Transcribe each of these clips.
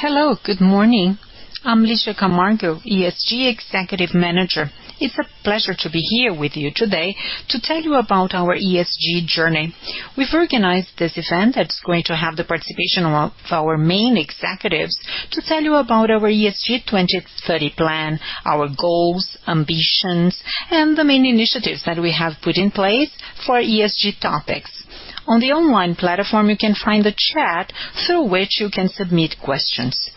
Hello, good morning. I'm Ligia Camargo, ESG Executive Manager. It's a pleasure to be here with you today to tell you about our ESG journey. We've organized this event that's going to have the participation of our main executives to tell you about our ESG 2030 plan, our goals, ambitions, and the main initiatives that we have put in place for ESG topics. On the online platform, you can find the chat through which you can submit questions.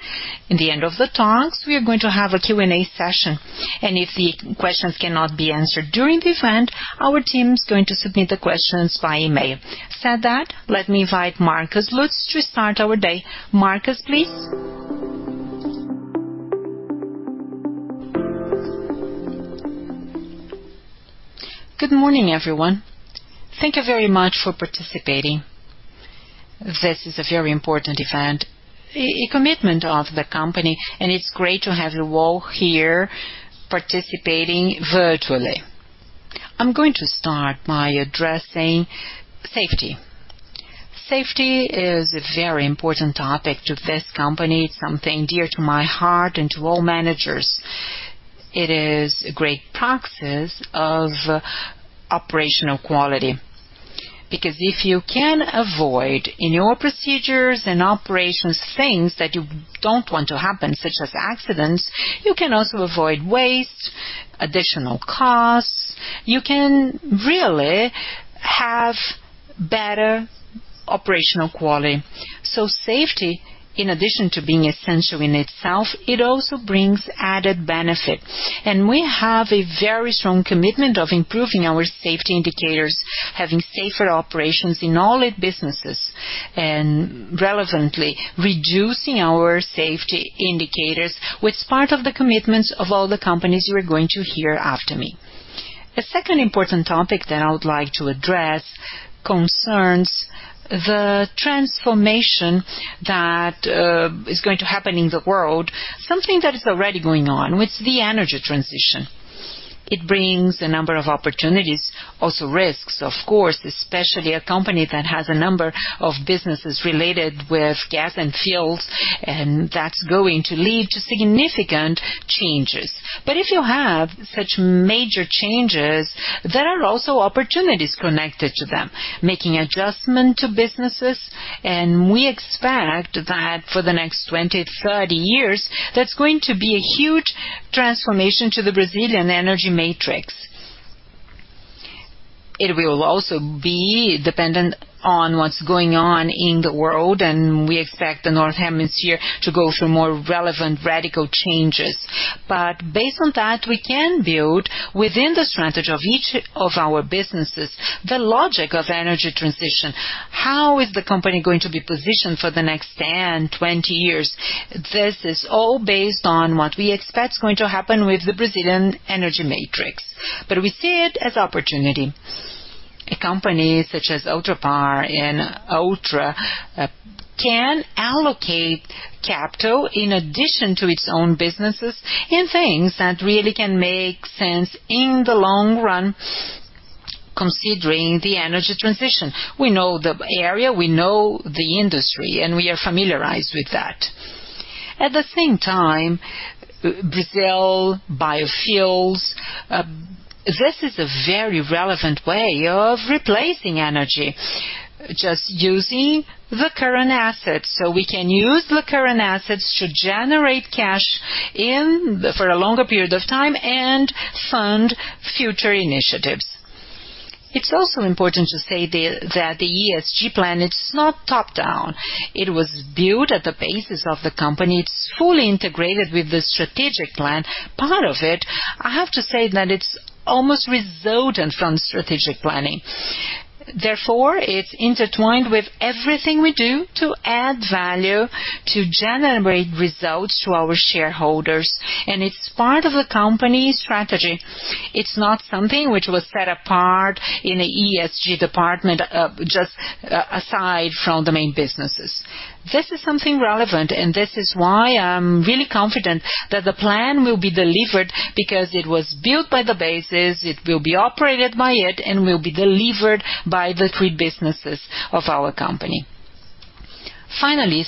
In the end of the talks, we are going to have a Q&A session. If the questions cannot be answered during the event, our team's going to submit the questions by email. Said that, let me invite Marcos Lutz to start our day. Marcos, please. Good morning, everyone. Thank you very much for participating. This is a very important event, a commitment of the company, It's great to have you all here participating virtually. I'm going to start by addressing safety. Safety is a very important topic to this company. It's something dear to my heart and to all managers. It is a great practice of operational quality because if you can avoid in your procedures and operations things that you don't want to happen, such as accidents, you can also avoid waste, additional costs. You can really have better operational quality. Safety, in addition to being essential in itself, it also brings added benefit. We have a very strong commitment of improving our safety indicators, having safer operations in all the businesses and relevantly reducing our safety indicators with part of the commitments of all the companies you are going to hear after me. A second important topic that I would like to address concerns the transformation that is going to happen in the world, something that is already going on with the energy transition. It brings a number of opportunities, also risks, of course, especially a company that has a number of businesses related with gas and fuels, and that's going to lead to significant changes. If you have such major changes, there are also opportunities connected to them, making adjustment to businesses, and we expect that for the next 20, 30 years, that's going to be a huge transformation to the Brazilian energy matrix. It will also be dependent on what's going on in the world, and we expect the North Hemisphere to go through more relevant radical changes. Based on that, we can build within the strategy of each of our businesses the logic of energy transition. How is the company going to be positioned for the next 10, 20 years? This is all based on what we expect is going to happen with the Brazilian energy matrix. We see it as opportunity. A company such as Ultrapar and Ultra can allocate capital in addition to its own businesses in things that really can make sense in the long run considering the energy transition. We know the area, we know the industry, and we are familiarized with that. At the same time, Brazil Biofuels, this is a very relevant way of replacing energy, just using the current assets. We can use the current assets to generate cash for a longer period of time and fund future initiatives. It's also important to say that the ESG plan, it's not top-down. It was built at the basis of the company. It's fully integrated with the strategic plan. Part of it, I have to say that it's almost resultant from strategic planning. It's intertwined with everything we do to add value to generate results to our shareholders, and it's part of the company's strategy. It's not something which was set apart in a ESG department, just aside from the main businesses. This is something relevant, and this is why I'm really confident that the plan will be delivered because it was built by the bases, it will be operated by it, and will be delivered by the three businesses of our company.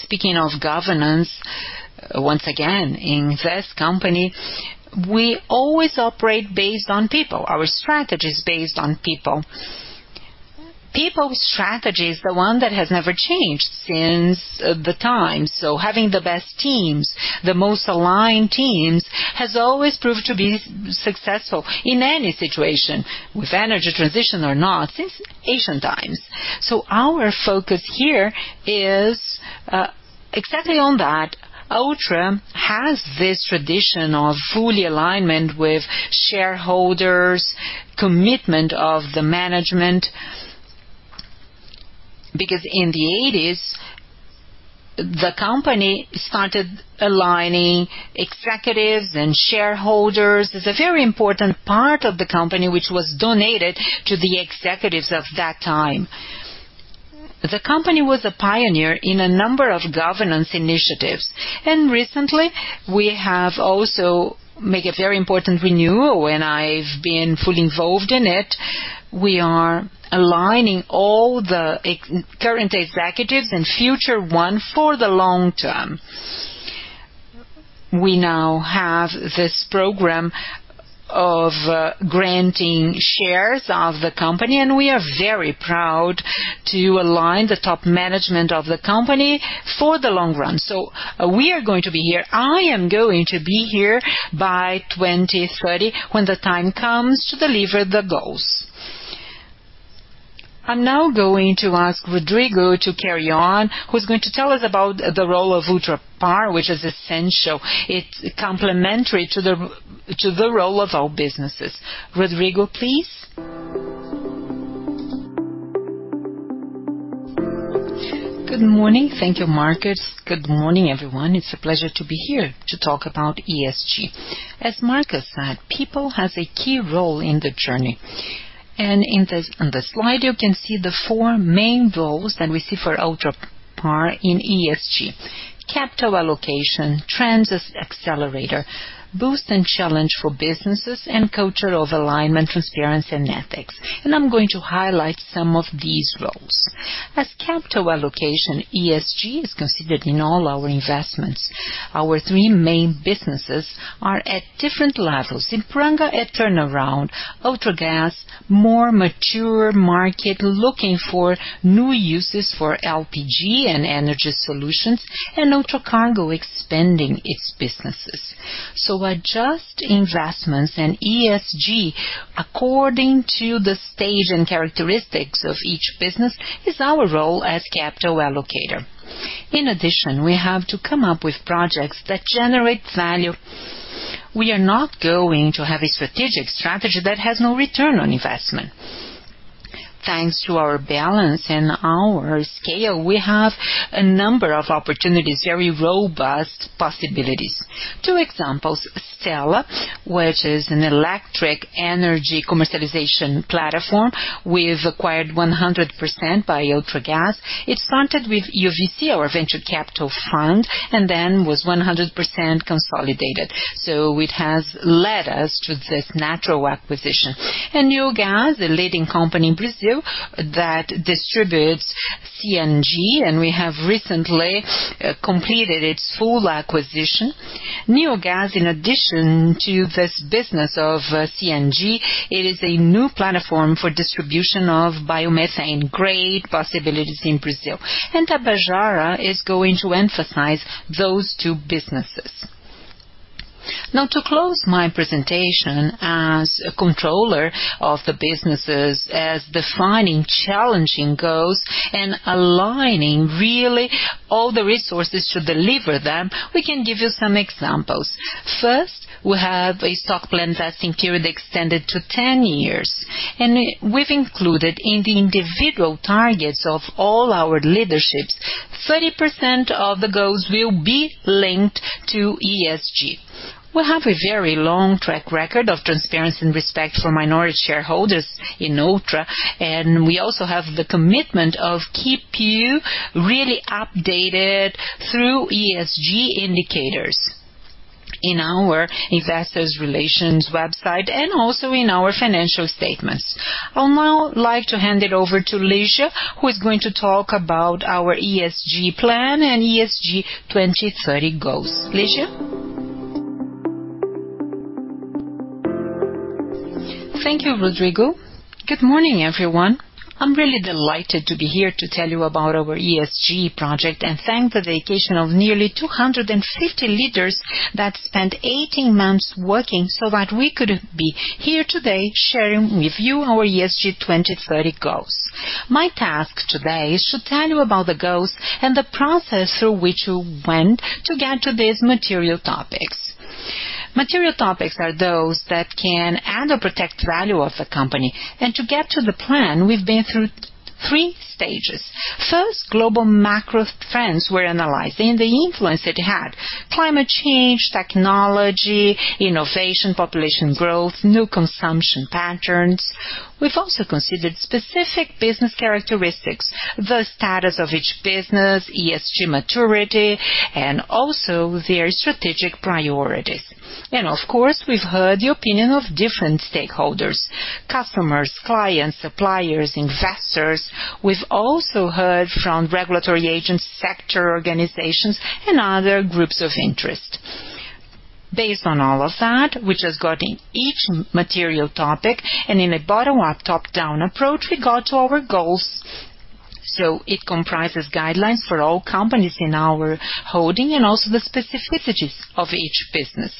Speaking of governance, once again, in this company, we always operate based on people. Our strategy is based on people. People strategy is the one that has never changed since the time. Having the best teams, the most aligned teams, has always proved to be successful in any situation, with energy transition or not, since ancient times. Our focus here is exactly on that. Ultra has this tradition of fully alignment with shareholders, commitment of the management, because in the 1980s, the company started aligning executives and shareholders. It's a very important part of the company which was donated to the executives of that time. The company was a pioneer in a number of governance initiatives. Recently, we have also make a very important renewal, and I've been fully involved in it. We are aligning all the current executives and future one for the long term. We now have this program of granting shares of the company, and we are very proud to align the top management of the company for the long run. We are going to be here. I am going to be here by 2030 when the time comes to deliver the goals. I'm now going to ask Rodrigo to carry on, who's going to tell us about the role of Ultragaz, which is essential. It's complementary to the role of our businesses. Rodrigo, please. Good morning. Thank you, Marcos. Good morning, everyone. It's a pleasure to be here to talk about ESG. As Marcos said, people has a key role in the journey. On this slide, you can see the four main goals that we see for Ultragaz in ESG. Capital allocation, trends as accelerator, boost and challenge for businesses and culture of alignment, transparency and ethics. I'm going to highlight some of these roles. As capital allocation, ESG is considered in all our investments. Our three main businesses are at different levels. Ipiranga at turnaround, Ultragaz, more mature market, looking for new uses for LPG and energy solutions, and Ultracargo expanding its businesses. Adjust investments and ESG according to the stage and characteristics of each business is our role as capital allocator. In addition, we have to come up with projects that generate value. We are not going to have a strategic strategy that has no return on investment. Thanks to our balance and our scale, we have a number of opportunities, very robust possibilities. Two examples, Stella, which is an electric energy commercialization platform we've acquired 100% by Ultragaz. It started with UVC, our venture capital fund, and then was 100% consolidated. It has led us to this natural acquisition. NEOgás, a leading company in Brazil that distributes CNG, and we have recently completed its full acquisition. NEOgás in addition to this business of CNG, it is a new platform for distribution of biomethane, great possibilities in Brazil. Tabajara is going to emphasize those two businesses. To close my presentation as a controller of the businesses as defining challenging goals and aligning really all the resources to deliver them, we can give you some examples. We have a stock plan vesting period extended to 10 years, and we've included in the individual targets of all our leaderships, 30% of the goals will be linked to ESG. We have a very long track record of transparency and respect for minority shareholders in Ultra, and we also have the commitment of keep you really updated through ESG indicators in our investor relations website and also in our financial statements. I'll now like to hand it over to Ligia, who is going to talk about our ESG plan and ESG 2030 goals. Ligia. Thank you, Rodrigo. Good morning, everyone. I'm really delighted to be here to tell you about our ESG project and thank the dedication of nearly 250 leaders that spent 18 months working so that we could be here today sharing with you our ESG 2030 goals. My task today is to tell you about the goals and the process through which we went to get to these material topics. Material topics are those that can add or protect value of the company. To get to the plan, we've been through 3 stages. First, global macro trends were analyzed and the influence it had. Climate change, technology, innovation, population growth, new consumption patterns. We've also considered specific business characteristics, the status of each business, ESG maturity, and also their strategic priorities. Of course, we've heard the opinion of different stakeholders, customers, clients, suppliers, investors. We've also heard from regulatory agents, sector organizations and other groups of interest. Based on all of that, we just got in each material topic, and in a bottom-up, top-down approach, we got to our goals. It comprises guidelines for all companies in our holding and also the specificities of each business.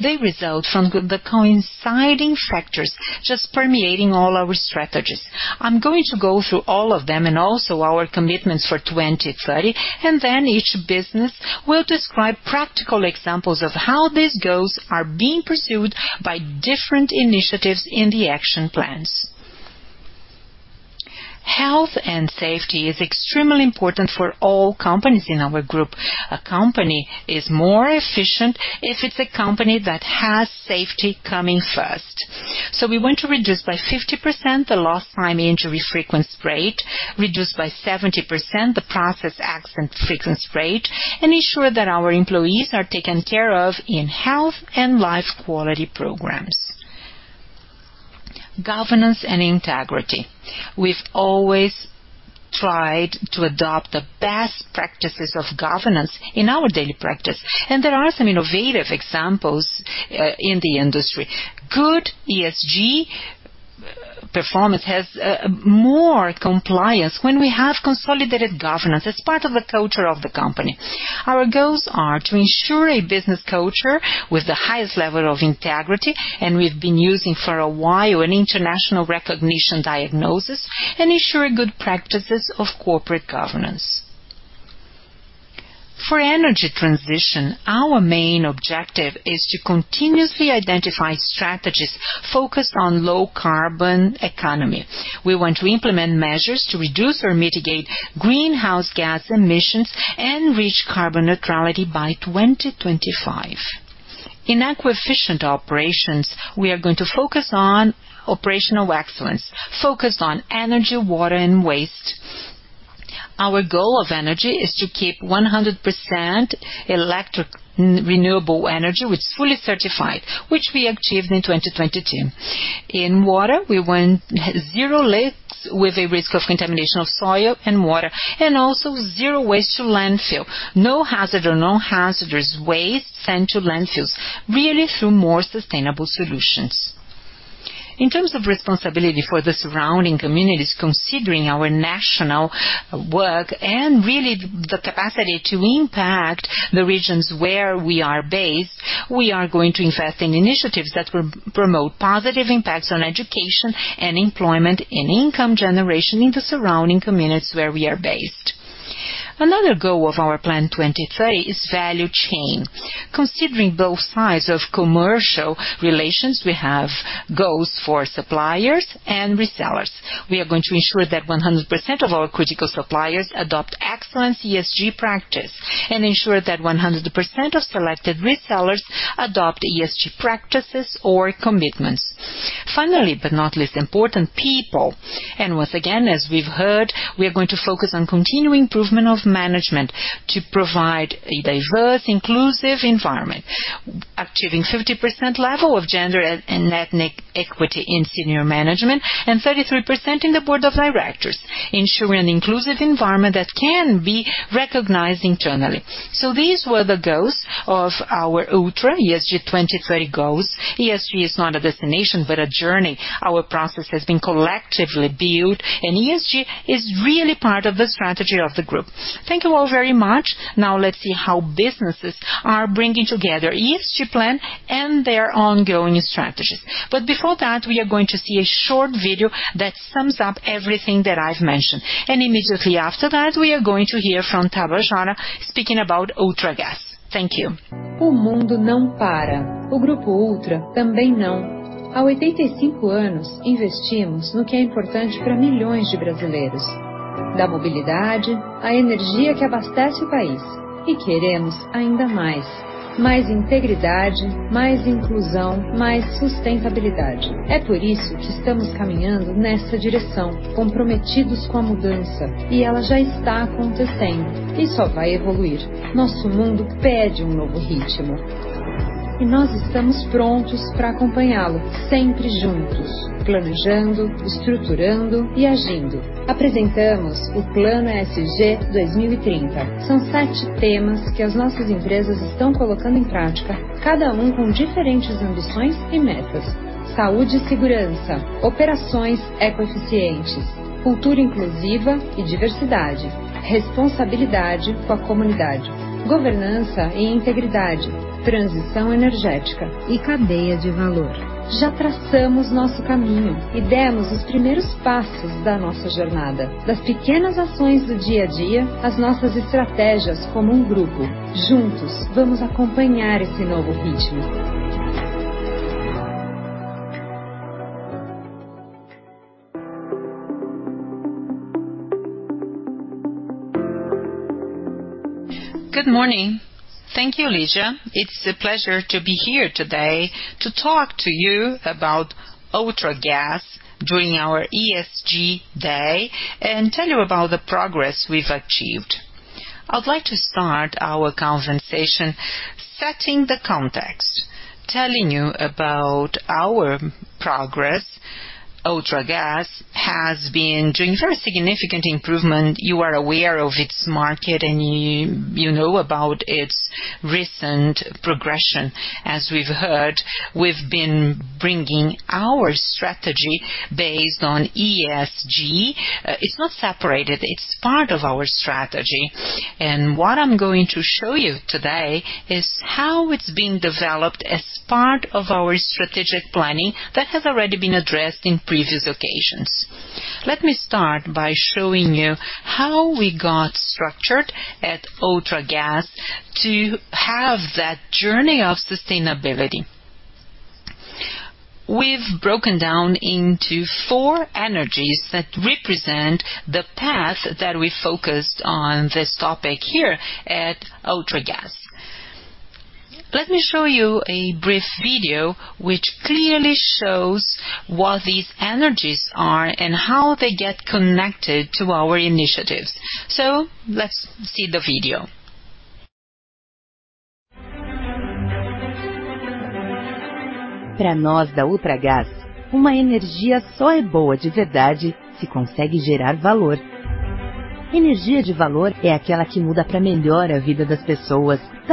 They result from the coinciding factors just permeating all our strategies. I'm going to go through all of them and also our commitments for 2030, and then each business will describe practical examples of how these goals are being pursued by different initiatives in the action plans. Health and safety is extremely important for all companies in our group. A company is more efficient if it's a company that has safety coming first. We want to reduce by 50% the Lost Time Injury Frequency Rate, reduce by 70% the Process Accident Frequency Rate, and ensure that our employees are taken care of in health and life quality programs. Governance and integrity. We've always tried to adopt the best practices of governance in our daily practice, and there are some innovative examples in the industry. Good ESG performance has more compliance when we have consolidated governance as part of the culture of the company. Our goals are to ensure a business culture with the highest level of integrity, and we've been using for a while an international recognition diagnosis and ensure good practices of corporate governance. For energy transition, our main objective is to continuously identify strategies focused on low carbon economy. We want to implement measures to reduce or mitigate greenhouse gas emissions and reach carbon neutrality by 2025. In eco-efficient operations, we are going to focus on operational excellence, focus on energy, water and waste. Our goal of energy is to keep 100% electric renewable energy, which is fully certified, which we achieved in 2022. In water, we want zero leaks with a risk of contamination of soil and water, and also zero waste to landfill. No hazard or non-hazardous waste sent to landfills, really through more sustainable solutions. In terms of responsibility for the surrounding communities, considering our national work and really the capacity to impact the regions where we are based, we are going to invest in initiatives that will promote positive impacts on education and employment and income generation in the surrounding communities where we are based. Another goal of our plan 2030 is value chain. Considering both sides of commercial relations, we have goals for suppliers and resellers. We are going to ensure that 100% of our critical suppliers adopt excellent ESG practice and ensure that 100% of selected resellers adopt ESG practices or commitments. Finally, not least important, people. Once again, as we've heard, we are going to focus on continuing improvement of management to provide a diverse, inclusive environment. Achieving 50% level of gender and ethnic equity in senior management and 33% in the board of directors ensure an inclusive environment that can be recognized internally. These were the goals of our Ultra ESG 2030 goals. ESG is not a destination but a journey. Our process has been collectively built, and ESG is really part of the strategy of the group. Thank you all very much. Before that, we are going to see a short video that sums up everything that I've mentioned. Immediately after that, we are going to hear from Tabajara speaking about Ultragaz. Thank you. Thank you, Ligia. It's a pleasure to be here today to talk to you about Ultragaz during our ESG day and tell you about the progress we've achieved. I'd like to start our conversation setting the context, telling you about our progress. Ultragaz has been doing very significant improvement. You are aware of its market and you know about its recent progression. As we've heard, we've been bringing our strategy based on ESG. It's not separated, it's part of our strategy. What I'm going to show you today is how it's been developed as part of our strategic planning that has already been addressed in previous occasions. Let me start by showing you how we got structured at Ultragaz to have that journey of sustainability. We've broken down into four energies that represent the path that we focused on this topic here at Ultragaz. Let me show you a brief video which clearly shows what these energies are and how they get connected to our initiatives. Let's see the video. For us at Ultragaz, energy is only really good if it generates value. Value energy is what improves people's, communities', partners', customers' and society's lives. Value energy is energy for innovation. It is the kind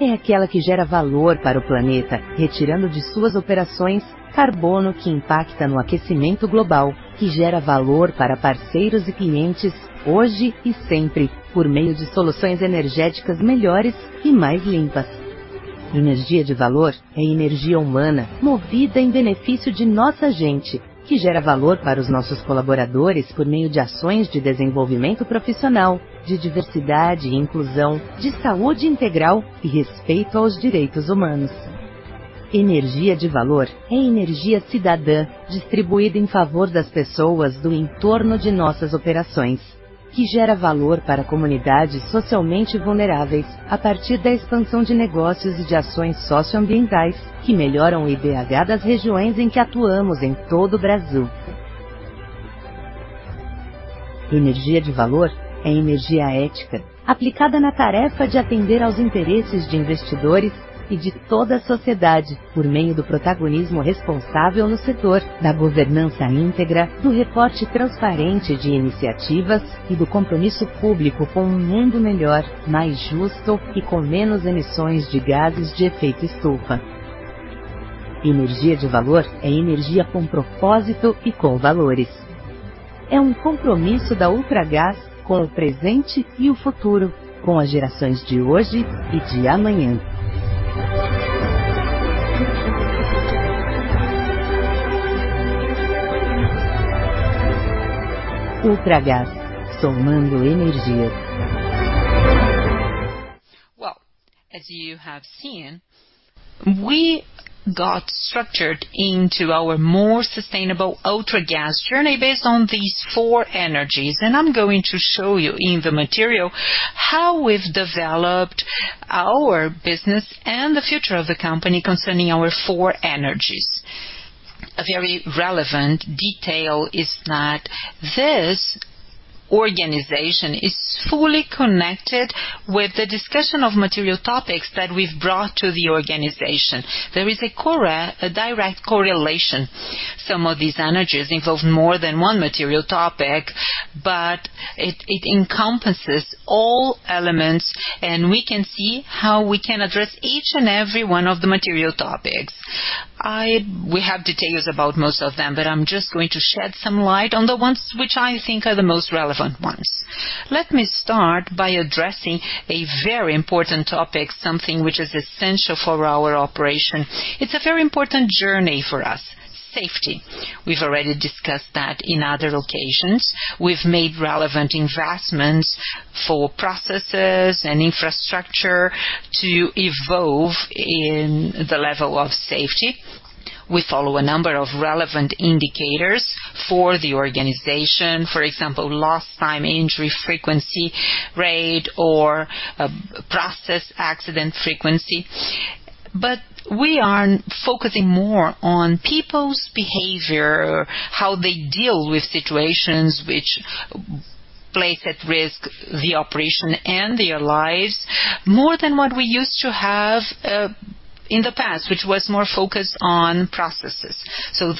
that generates value for the planet, removing carbon from its operations that impacts global warming, that generates value for partners and customers today and always through better and cleaner energy solutions. Value energy is human energy, driven for the benefit of our people, that generates value for our employees through actions of professional development, diversity and inclusion, integral health and respect for human rights. Value energy is citizen energy, distributed in favor of the people in our operations' surroundings, that generates value for socially vulnerable communities through the expansion of business and socio-environmental actions that improve the IDH of the regions in which we operate throughout Brazil. Value energy is ethical energy applied to the task of meeting the interests of investors and society as a whole through responsible protagonism in the sector, integrated governance, transparent reporting of initiatives, and public commitment to a better, fairer world with less greenhouse gas emissions. Value energy is energy with purpose and values. It is an Ultragaz commitment to the present and the future, to today's and tomorrow's generations. Ultragaz. Adding energy. As you have seen, we got structured into our more sustainable Ultragaz journey based on these four energies. I'm going to show you in the material how we've developed our business and the future of the company concerning our four energies. A very relevant detail is that this organization is fully connected with the discussion of material topics that we've brought to the organization. There is a direct correlation. Some of these energies involve more than one material topic, but it encompasses all elements, and we can see how we can address each and every one of the material topics. We have details about most of them, but I'm just going to shed some light on the ones which I think are the most relevant ones. Let me start by addressing a very important topic, something which is essential for our operation. It's a very important journey for us, safety. We've already discussed that in other occasions. We've made relevant investments for processes and infrastructure to evolve in the level of safety. We follow a number of relevant indicators for the organization, for example, Lost Time Injury Frequency Rate or Process Accident Frequency. But we are focusing more on people's behavior, how they deal with situations which place at risk the operation and their lives, more than what we used to have in the past, which was more focused on processes.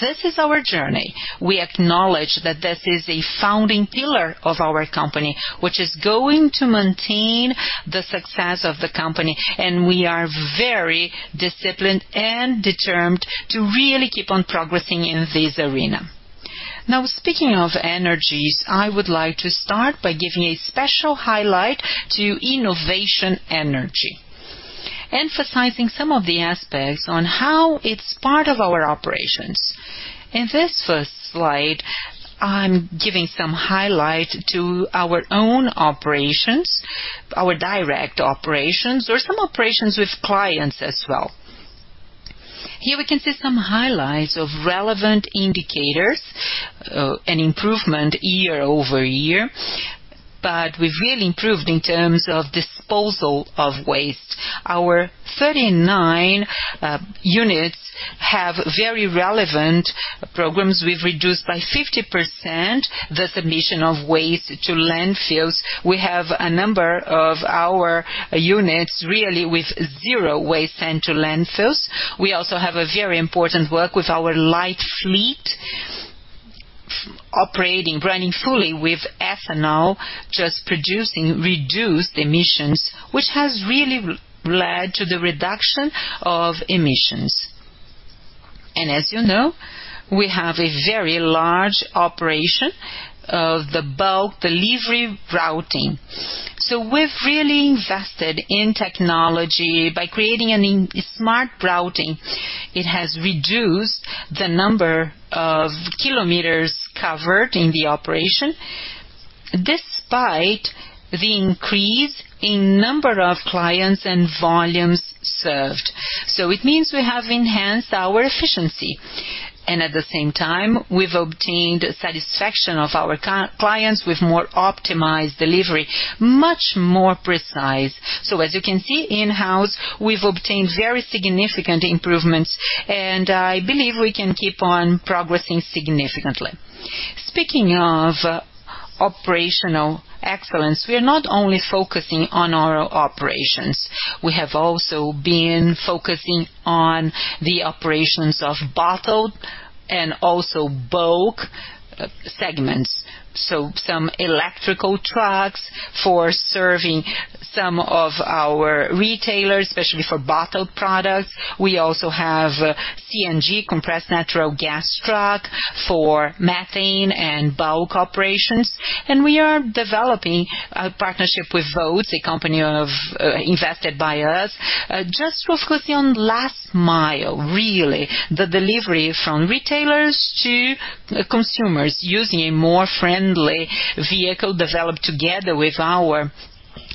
This is our journey. We acknowledge that this is a founding pillar of our company, which is going to maintain the success of the company, and we are very disciplined and determined to really keep on progressing in this arena. Speaking of energies, I would like to start by giving a special highlight to innovation energy, emphasizing some of the aspects on how it's part of our operations. In this first slide, I'm giving some highlight to our own operations, our direct operations or some operations with clients as well. Here we can see some highlights of relevant indicators, and improvement year-over-year. We've really improved in terms of disposal of waste. Our 39 units have very relevant programs. We've reduced by 50% the submission of waste to landfills. We have a number of our units really with zero waste sent to landfills. We also have a very important work with our light fleet operating, running fully with ethanol, just producing reduced emissions, which has really led to the reduction of emissions. As you know, we have a very large operation of the bulk delivery routing. We've really invested in technology by creating a smart routing. It has reduced the number of kilometers covered in the operation despite the increase in number of clients and volumes served. It means we have enhanced our efficiency, and at the same time, we've obtained satisfaction of our clients with more optimized delivery, much more precise. As you can see in-house, we've obtained very significant improvements, and I believe we can keep on progressing significantly. Speaking of operational excellence. We are not only focusing on our operations, we have also been focusing on the operations of bottled and also bulk segments. Some electrical trucks for serving some of our retailers, especially for bottled products. We also have CNG, compressed natural gas truck for methane and bulk operations. We are developing a partnership with Volt, a company of invested by us just to focus on last mile, really the delivery from retailers to consumers using a more friendly vehicle developed together with our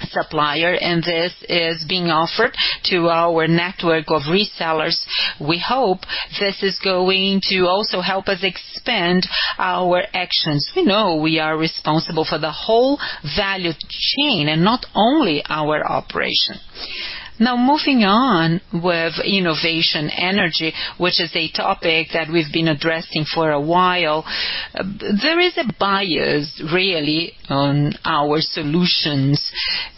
supplier, and this is being offered to our network of resellers. We hope this is going to also help us expand our actions. We know we are responsible for the whole value chain and not only our operation. Moving on with innovation energy, which is a topic that we've been addressing for a while. There is a bias really on our solutions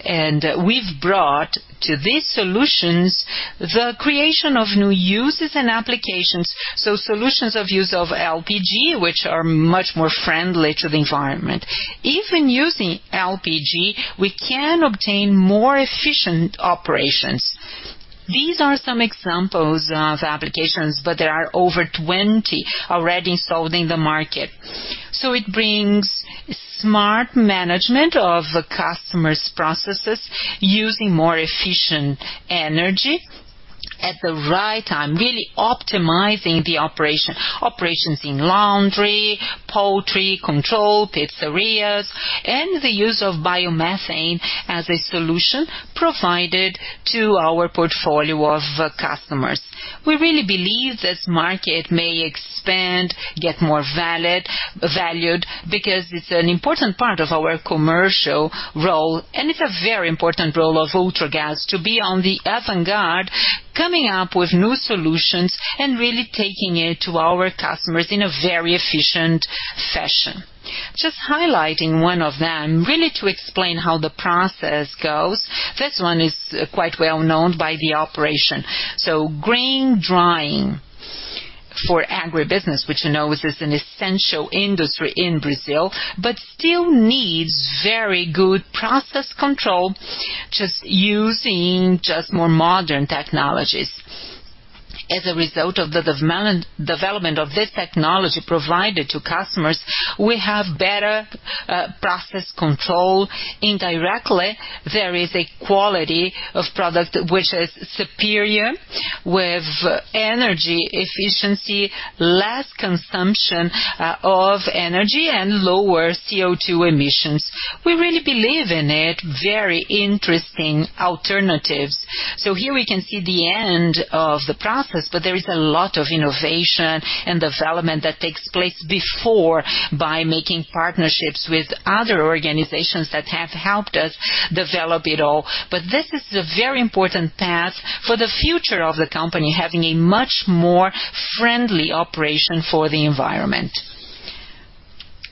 and we've brought to these solutions the creation of new uses and applications. Solutions of use of LPG, which are much more friendly to the environment. Even using LPG, we can obtain more efficient operations. These are some examples of applications. There are over 20 already sold in the market. It brings smart management of the customer's processes using more efficient energy at the right time, really optimizing the operation. Operations in laundry, poultry, control, pizzerias, and the use of biomethane as a solution provided to our portfolio of customers. We really believe this market may expand, get more valued because it's an important part of our commercial role, and it's a very important role of Ultragaz to be on the avant-garde, coming up with new solutions and really taking it to our customers in a very efficient fashion. Just highlighting one of them, really to explain how the process goes. This one is quite well-known by the operation. Grain drying for agribusiness, which you know is an essential industry in Brazil, but still needs very good process control using more modern technologies. As a result of the development of this technology provided to customers, we have better process control. Indirectly, there is a quality of product which is superior with energy efficiency, less consumption of energy, and lower CO2 emissions. We really believe in it. Very interesting alternatives. Here we can see the end of the process, but there is a lot of innovation and development that takes place before by making partnerships with other organizations that have helped us develop it all. This is a very important path for the future of the company, having a much more friendly operation for the environment.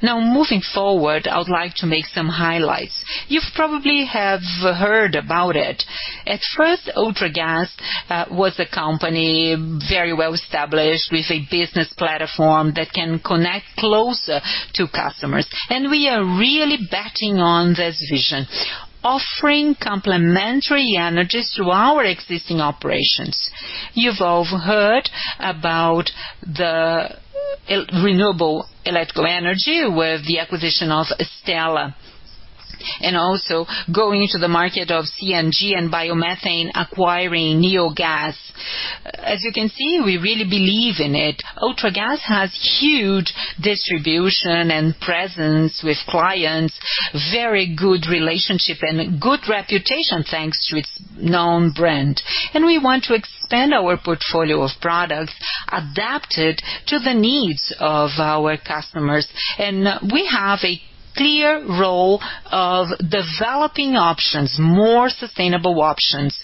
Moving forward, I would like to make some highlights. You probably have heard about it. At first, Ultragaz was a company very well established with a business platform that can connect closer to customers. We are really betting on this vision, offering complementary energies to our existing operations. You've all heard about renewable electrical energy with the acquisition of Stella, also going into the market of CNG and biomethane, acquiring NEOgás. As you can see, we really believe in it. Ultragaz has huge distribution and presence with clients, very good relationship and good reputation thanks to its known brand. We want to expand our portfolio of products adapted to the needs of our customers. We have a clear role of developing options, more sustainable options.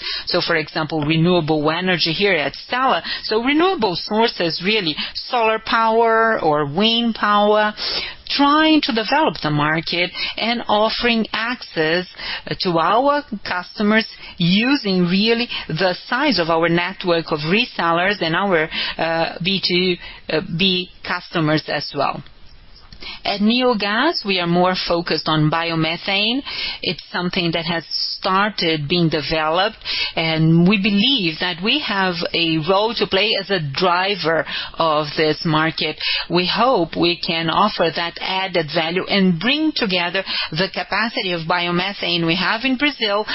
For example, renewable energy here at Stella, renewable sources, really, solar power or wind power, trying to develop the market and offering access to our customers using really the size of our network of resellers and our B2B customers as well. At NEOgás, we are more focused on biomethane. It's something that has started being developed, and we believe that we have a role to play as a driver of this market. We hope we can offer that added value and bring together the capacity of biomethane we have in Brazil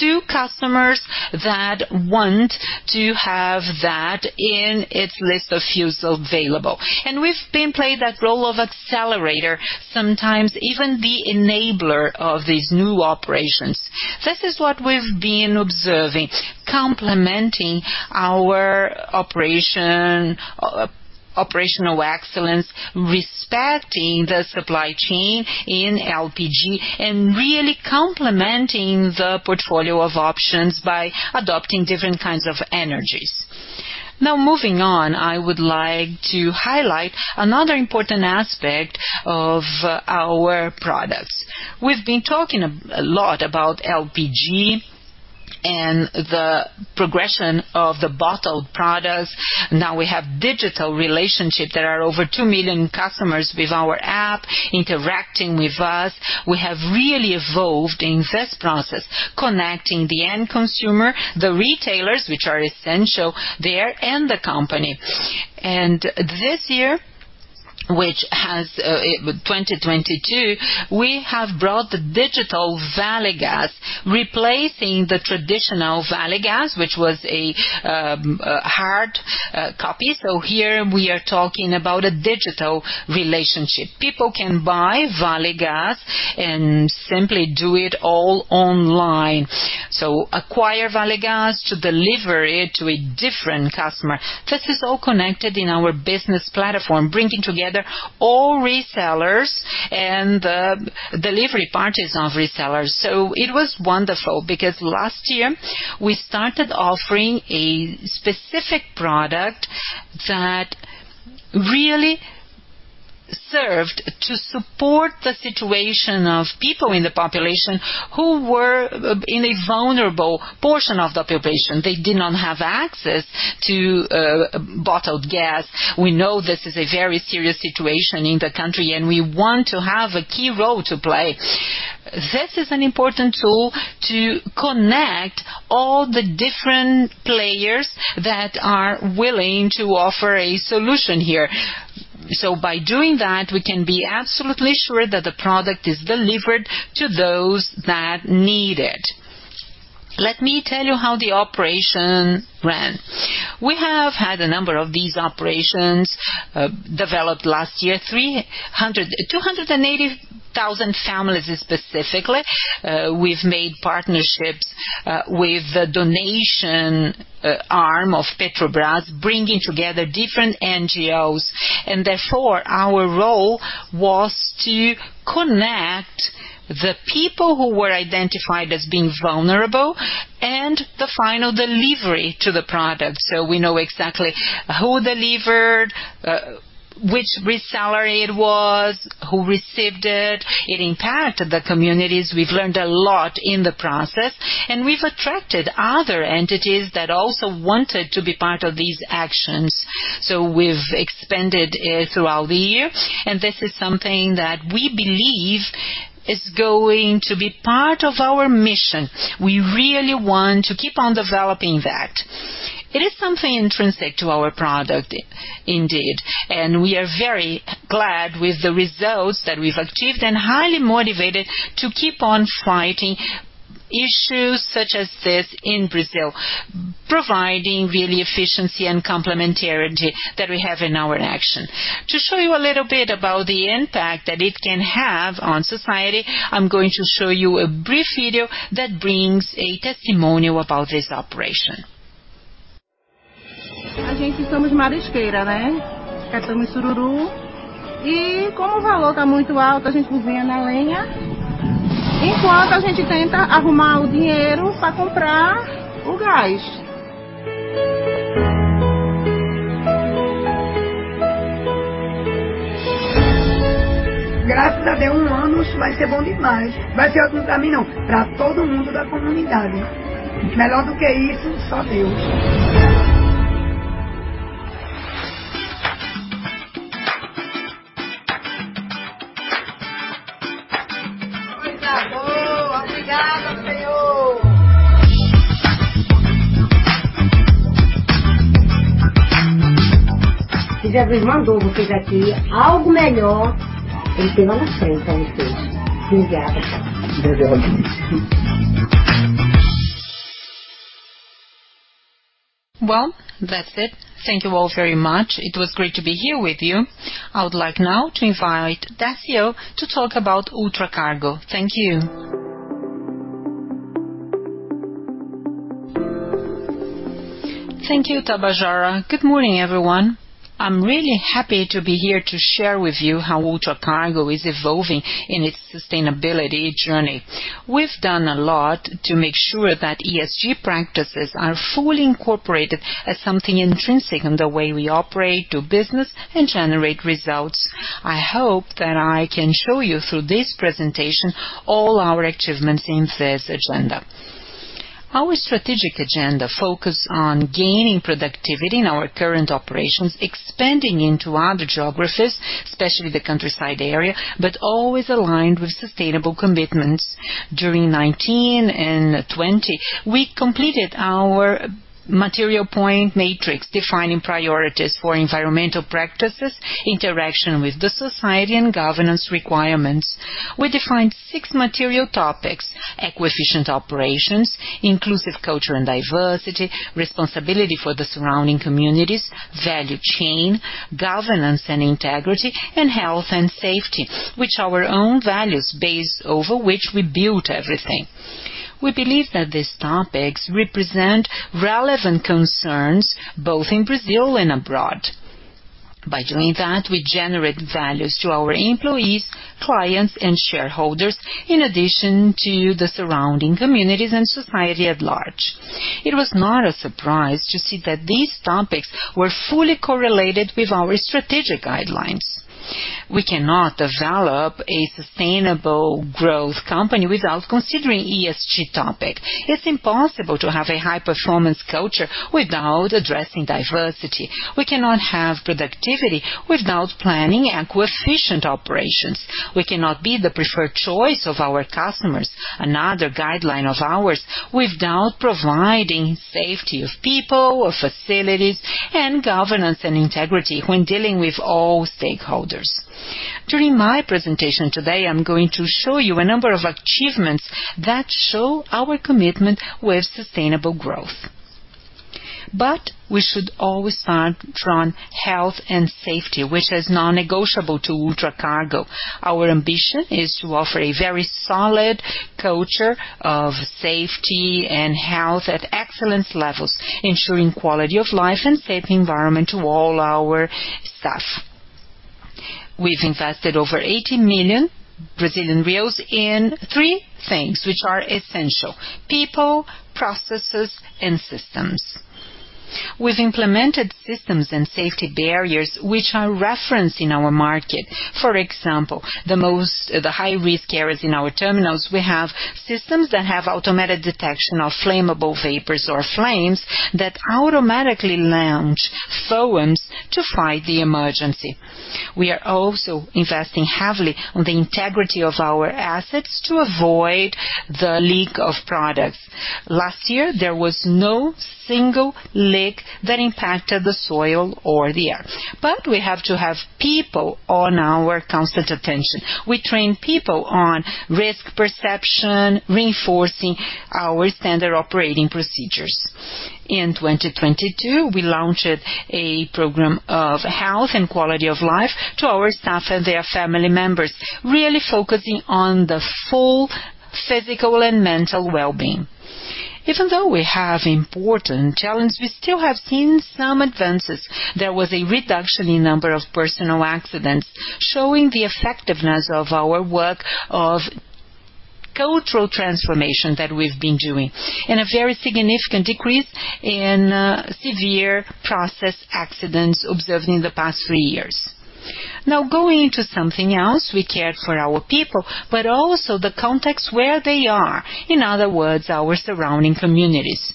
to customers that want to have that in its list of fuels available. We've been played that role of accelerator, sometimes even the enabler of these new operations. This is what we've been observing, complementing our operational excellence, respecting the supply chain in LPG, and really complementing the portfolio of options by adopting different kinds of energies. Now moving on, I would like to highlight another important aspect of our products. We've been talking a lot about LPG and the progression of the bottled products. Now we have digital relationship. There are over two million customers with our app interacting with us. We have really evolved in this process, connecting the end consumer, the retailers, which are essential there, and the company. This year, which has 2022, we have brought the digital Vale Gás, replacing the traditional Vale Gás, which was a hard copy. Here we are talking about a digital relationship. People can buy Vale Gás and simply do it all online. Acquire Vale Gás to deliver it to a different customer. This is all connected in our business platform, bringing together all resellers and the delivery parties of resellers. It was wonderful because last year we started offering a specific product that really served to support the situation of people in the population who were in a vulnerable portion of the population. They did not have access to bottled gas. We know this is a very serious situation in the country, and we want to have a key role to play. This is an important tool to connect all the different players that are willing to offer a solution here. By doing that, we can be absolutely sure that the product is delivered to those that need it. Let me tell you how the operation ran. We have had a number of these operations, developed last year, 280,000 families specifically. We've made partnerships, with the donation, arm of Petrobras, bringing together different NGOs. Therefore, our role was to connect the people who were identified as being vulnerable and the final delivery to the product. We know exactly who delivered, which reseller it was, who received it. It impacted the communities. We've learned a lot in the process, and we've attracted other entities that also wanted to be part of these actions. We've expanded it throughout the year, and this is something that we believe is going to be part of our mission. We really want to keep on developing that. It is something intrinsic to our product indeed. We are very glad with the results that we've achieved and highly motivated to keep on fighting issues such as this in Brazil, providing really efficiency and complementarity that we have in our action. To show you a little bit about the impact that it can have on society, I'm going to show you a brief video that brings a testimonial about this operation. Well, that's it. Thank you all very much. It was great to be here with you. I would like now to invite Décio to talk about Ultracargo. Thank you. Thank you, Tabajara. Good morning, everyone. I'm really happy to be here to share with you how Ultracargo is evolving in its sustainability journey. We've done a lot to make sure that ESG practices are fully incorporated as something intrinsic in the way we operate, do business, and generate results. I hope that I can show you through this presentation all our achievements in this agenda. Our strategic agenda focus on gaining productivity in our current operations, expanding into other geographies, especially the countryside area, but always aligned with sustainable commitments. During 2019 and 2020, we completed our material point matrix defining priorities for environmental practices, interaction with the society, and governance requirements. We defined 6 material topics: eco-efficient operations, inclusive culture and diversity, responsibility for the surrounding communities, value chain, governance and integrity, and health and safety, which our own values base over which we build everything. We believe that these topics represent relevant concerns both in Brazil and abroad. By doing that, we generate values to our employees, clients, and shareholders, in addition to the surrounding communities and society at large. It was not a surprise to see that these topics were fully correlated with our strategic guidelines. We cannot develop a sustainable growth company without considering ESG topic. It's impossible to have a high-performance culture without addressing diversity. We cannot have productivity without planning and coefficient operations. We cannot be the preferred choice of our customers, another guideline of ours, without providing safety of people or facilities and governance and integrity when dealing with all stakeholders. During my presentation today, I'm going to show you a number of achievements that show our commitment with sustainable growth. We should always start from health and safety, which is non-negotiable to Ultracargo. Our ambition is to offer a very solid culture of safety and health at excellent levels, ensuring quality of life and safe environment to all our staff. We've invested over 80 million Brazilian reais in 3 things, which are essential: people, processes, and systems. We've implemented systems and safety barriers which are referenced in our market. For example, the high-risk areas in our terminals, we have systems that have automated detection of flammable vapors or flames that automatically launch foams to fight the emergency. We are also investing heavily on the integrity of our assets to avoid the leak of products. Last year, there was no single leak that impacted the soil or the air. We have to have people on our constant attention. We train people on risk perception, reinforcing our standard operating procedures. In 2022, we launched a program of health and quality of life to our staff and their family members, really focusing on the full physical and mental wellbeing. Even though we have important challenges, we still have seen some advances. There was a reduction in number of personal accidents, showing the effectiveness of our work of cultural transformation that we've been doing, and a very significant decrease in severe process accidents observed in the past three years. Going into something else, we cared for our people, but also the context where they are. In other words, our surrounding communities.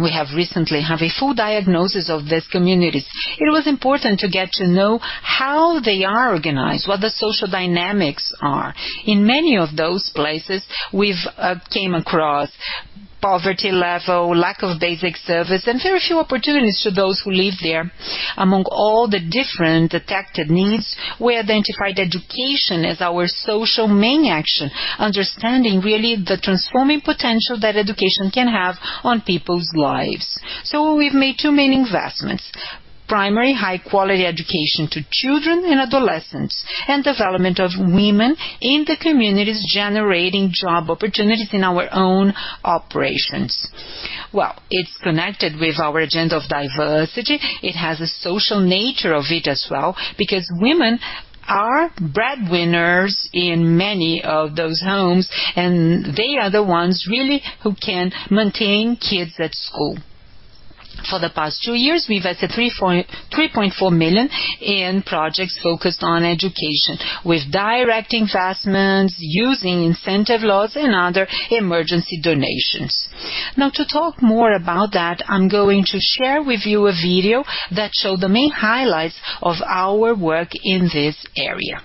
We have recently have a full diagnosis of these communities. It was important to get to know how they are organized, what the social dynamics are. In many of those places, we've came across poverty level, lack of basic service, and very few opportunities to those who live there. Among all the different detected needs, we identified education as our social main action, understanding really the transforming potential that education can have on people's lives. We've made two main investments. Primary high-quality education to children and adolescents and development of women in the communities, generating job opportunities in our own operations. Well, it's connected with our agenda of diversity. It has a social nature of it as well because women are breadwinners in many of those homes, and they are the ones really who can maintain kids at school. For the past two years, we've invested 3.4 million in projects focused on education with direct investments using incentive laws and other emergency donations. To talk more about that, I'm going to share with you a video that show the main highlights of our work in this area.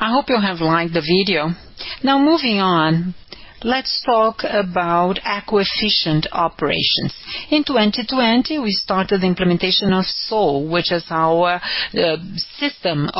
I hope you have liked the video. Moving on, let's talk about eco-efficient operations. In 2020, we started implementation of SOL, which is our system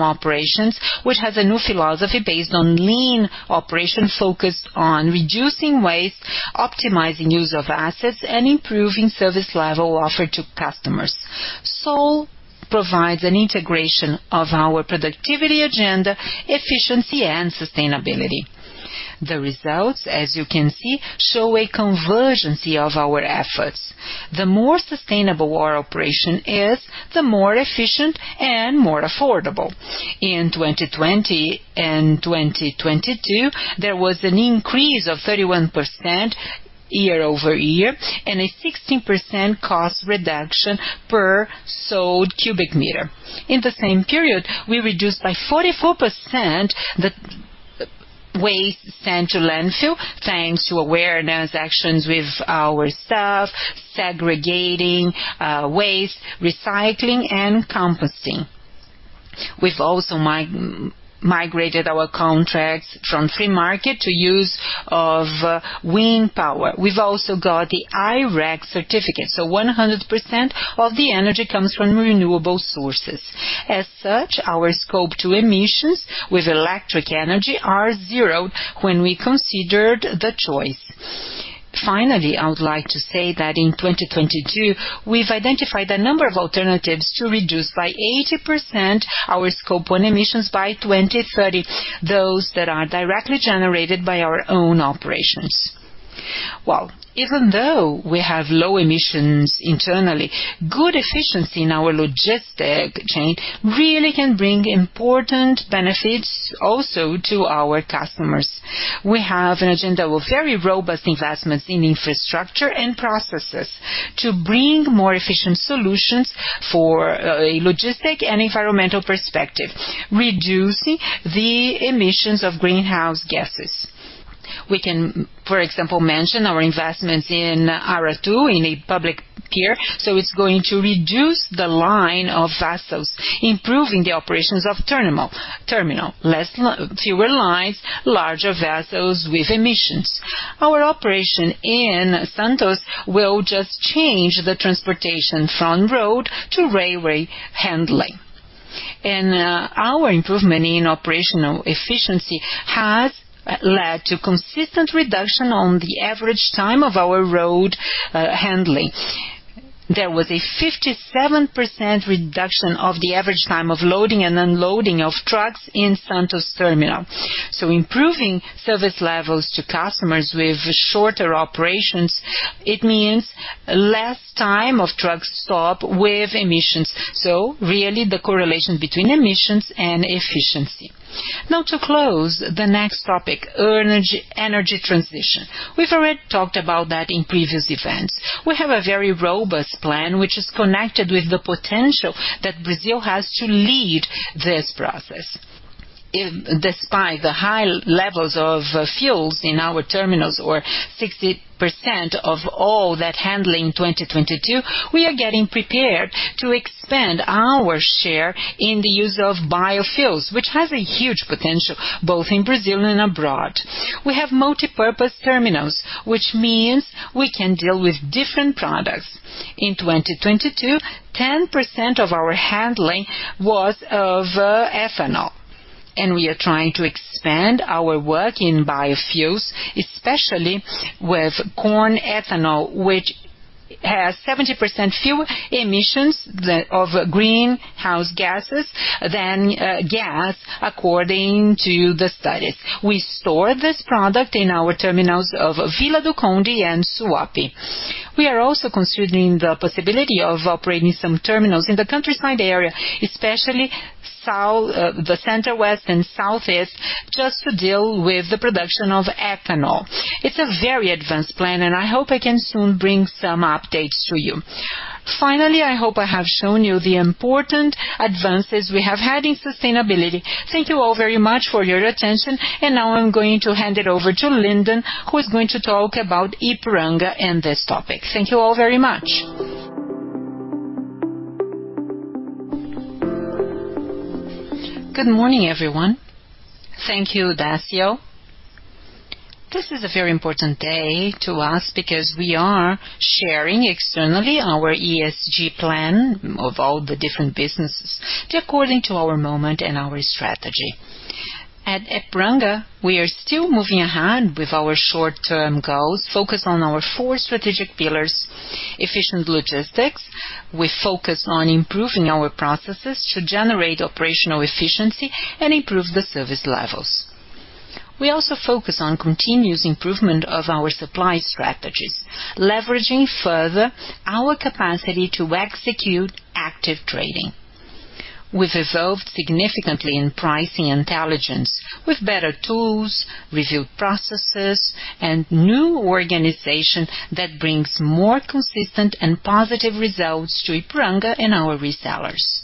operations, which has a new philosophy based on lean operations focused on reducing waste, optimizing use of assets, and improving service level offered to customers. SOL provides an integration of our productivity agenda, efficiency, and sustainability. The results, as you can see, show a convergence of our efforts. The more sustainable our operation is, the more efficient and more affordable. In 2020 and 2022, there was an increase of 31% year-over-year and a 16% cost reduction per sold cubic meter. In the same period, we reduced by 44% the waste sent to landfill, thanks to awareness actions with our staff, segregating waste, recycling and composting. We've also migrated our contracts from free market to use of wind power. We've also got the I-REC certificate, so 100% of the energy comes from renewable sources. As such, our Scope 2 emissions with electric energy are zero when we considered the choice. Finally, I would like to say that in 2022, we've identified a number of alternatives to reduce by 80% our Scope 1 emissions by 2030, those that are directly generated by our own operations. Well, even though we have low emissions internally, good efficiency in our logistic chain really can bring important benefits also to our customers. We have an agenda with very robust investments in infrastructure and processes to bring more efficient solutions for a logistic and environmental perspective, reducing the emissions of greenhouse gases. We can, for example, mention our investments in Aratu, in a public pier, so it's going to reduce the line of vessels, improving the operations of terminal. Fewer lines, larger vessels with emissions. Our operation in Santos will just change the transportation from road to railway handling. Our improvement in operational efficiency has led to consistent reduction on the average time of our road handling. There was a 57% reduction of the average time of loading and unloading of trucks in Santos terminal. Improving service levels to customers with shorter operations, it means less time of trucks stop with emissions. Really the correlation between emissions and efficiency. To close the next topic, energy transition. We've already talked about that in previous events. We have a very robust plan which is connected with the potential that Brazil has to lead this process. Despite the high levels of fuels in our terminals, or 60% of all that handling in 2022, we are getting prepared to expand our share in the use of biofuels, which has a huge potential both in Brazil and abroad. We have multipurpose terminals, which means we can deal with different products. In 2022, 10% of our handling was of ethanol, and we are trying to expand our work in biofuels, especially with corn ethanol, which has 70% fuel emissions of greenhouse gases than gas, according to the studies. We store this product in our terminals of Vila do Conde and Suape. We are also considering the possibility of operating some terminals in the countryside area, especially the center west and southeast, just to deal with the production of ethanol. It's a very advanced plan, and I hope I can soon bring some updates to you. Finally, I hope I have shown you the important advances we have had in sustainability. Thank you all very much for your attention. Now I'm going to hand it over to Linden, who is going to talk about Ipiranga and this topic. Thank you all very much. Good morning, everyone. Thank you, Décio. This is a very important day to us because we are sharing externally our ESG plan of all the different businesses according to our moment and our strategy. At Ipiranga, we are still moving ahead with our short-term goals, focused on our four strategic pillars. Efficient logistics. We focus on improving our processes to generate operational efficiency and improve the service levels. We also focus on continuous improvement of our supply strategies, leveraging further our capacity to execute active trading. We've evolved significantly in pricing intelligence with better tools, reviewed processes, and new organization that brings more consistent and positive results to Ipiranga and our resellers.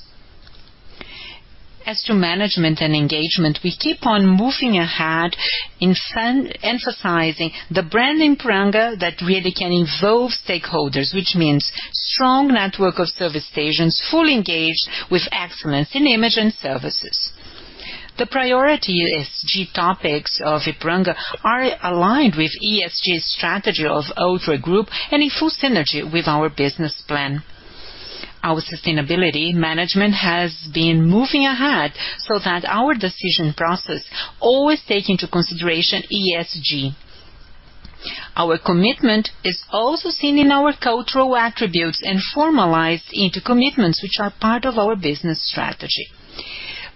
As to management and engagement, we keep on moving ahead in emphasizing the brand Ipiranga that really can involve stakeholders, which means strong network of service stations, fully engaged with excellence in image and services. The priority ESG topics of Ipiranga are aligned with ESG strategy of Ultra Group and in full synergy with our business plan. Our sustainability management has been moving ahead so that our decision process always take into consideration ESG. Our commitment is also seen in our cultural attributes and formalized into commitments which are part of our business strategy.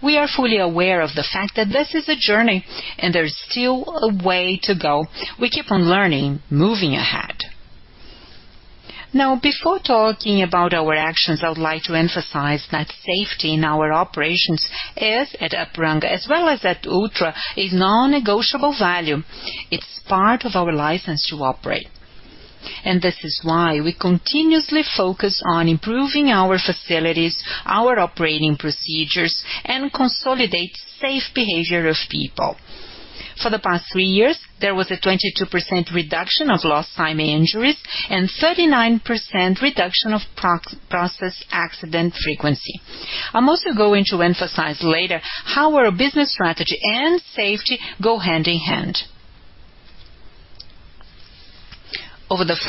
We are fully aware of the fact that this is a journey and there is still a way to go. We keep on learning, moving ahead. Before talking about our actions, I would like to emphasize that safety in our operations is at Ipiranga as well as at Ultra, a non-negotiable value. It's part of our license to operate. This is why we continuously focus on improving our facilities, our operating procedures and consolidate safe behavior of people. For the past three years, there was a 22% reduction of lost time Injuries and 39% reduction of process accident frequency. I'm also going to emphasize later how our business strategy and safety go hand in hand. Over the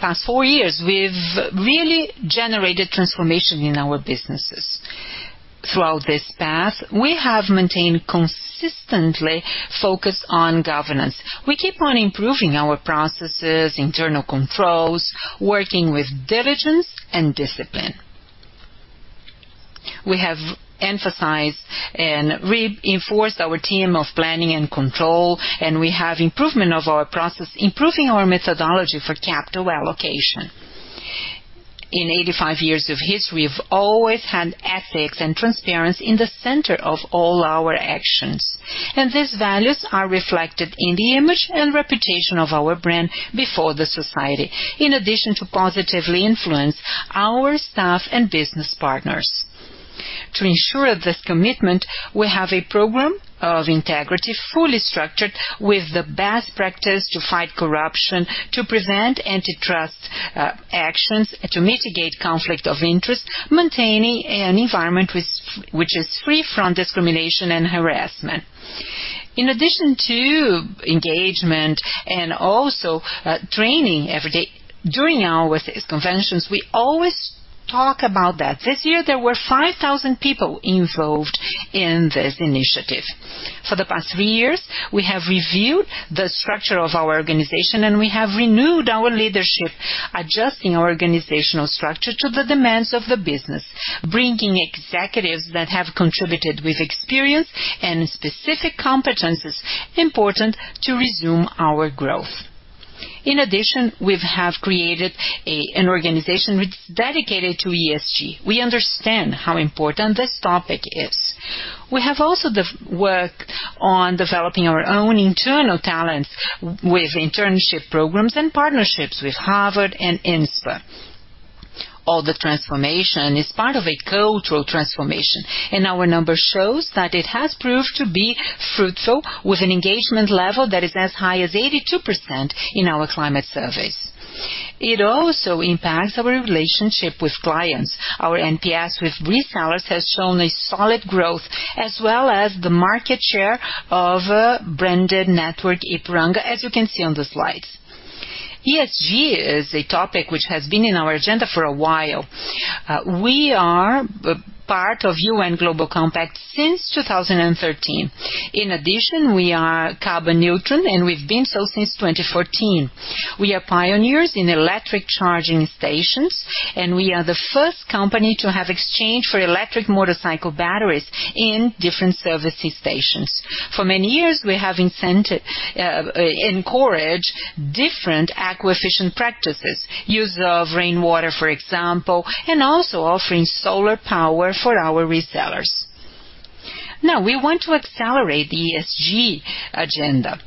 past four years, we've really generated transformation in our businesses. Throughout this path, we have maintained consistently focus on governance. We keep on improving our processes, internal controls, working with diligence and discipline. We have emphasized and reinforced our team of planning and control and we have improvement of our process, improving our methodology for capital allocation. In 85 years of history, we've always had ethics and transparency in the center of all our actions, and these values are reflected in the image and reputation of our brand before the society, in addition to positively influence our staff and business partners. To ensure this commitment, we have a program of integrity fully structured with the best practice to fight corruption, to prevent antitrust actions, and to mitigate conflict of interest, maintaining an environment which is free from discrimination and harassment. In addition to engagement and also training every day during our conventions, we always talk about that. This year there were 5,000 people involved in this initiative. For the past three years, we have reviewed the structure of our organization and we have renewed our leadership, adjusting organizational structure to the demands of the business, bringing executives that have contributed with experience and specific competencies important to resume our growth. In addition, we have created an organization which is dedicated to ESG. We understand how important this topic is. We have also worked on developing our own internal talents with internship programs and partnerships with Harvard and INSEAD. All the transformation is part of a cultural transformation. Our numbers shows that it has proved to be fruitful with an engagement level that is as high as 82% in our climate surveys. It also impacts our relationship with clients. Our NPS with resellers has shown a solid growth as well as the market share of branded network Ipiranga as you can see on the slides. ESG is a topic which has been in our agenda for a while. We are part of United Nations Global Compact since 2013. In addition, we are carbon neutral, and we've been so since 2014. We are pioneers in electric charging stations, and we are the first company to have exchange for electric motorcycle batteries in different servicing stations. For many years, we have encouraged different aqua-efficient practices, use of rainwater, for example, and also offering solar power for our resellers. Now we want to accelerate the ESG agenda.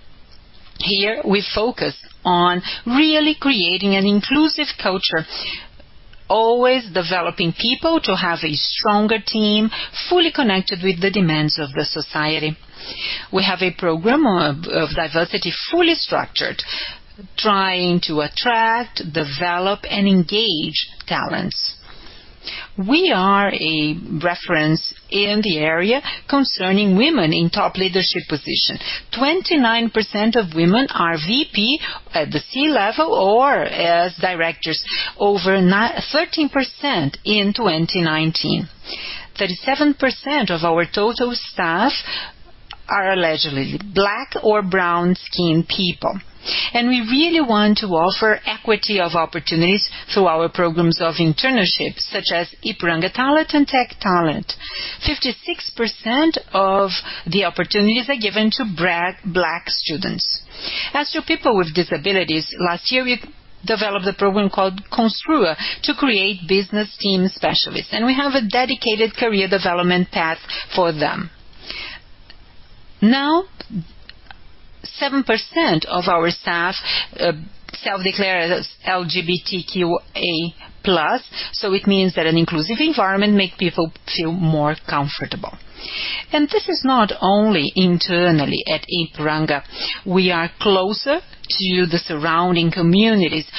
Here we focus on really creating an inclusive culture, always developing people to have a stronger team, fully connected with the demands of the society. We have a program of diversity fully structured, trying to attract, develop and engage talents. We are a reference in the area concerning women in top leadership position. 29% of women are VP at the C-level or as directors, over 13% in 2019. 37% of our total staff are allegedly black or brown-skinned people. We really want to offer equity of opportunities through our programs of internships such as Ipiranga Talent and Tech Talent. 56% of the opportunities are given to black students. As to people with disabilities, last year we developed a program called Construa to create business team specialists, and we have a dedicated career development path for them. 7% of our staff self-declare as LGBTQIA+. It means that an inclusive environment make people feel more comfortable. This is not only internally at Ipiranga. We are closer to the surrounding communities,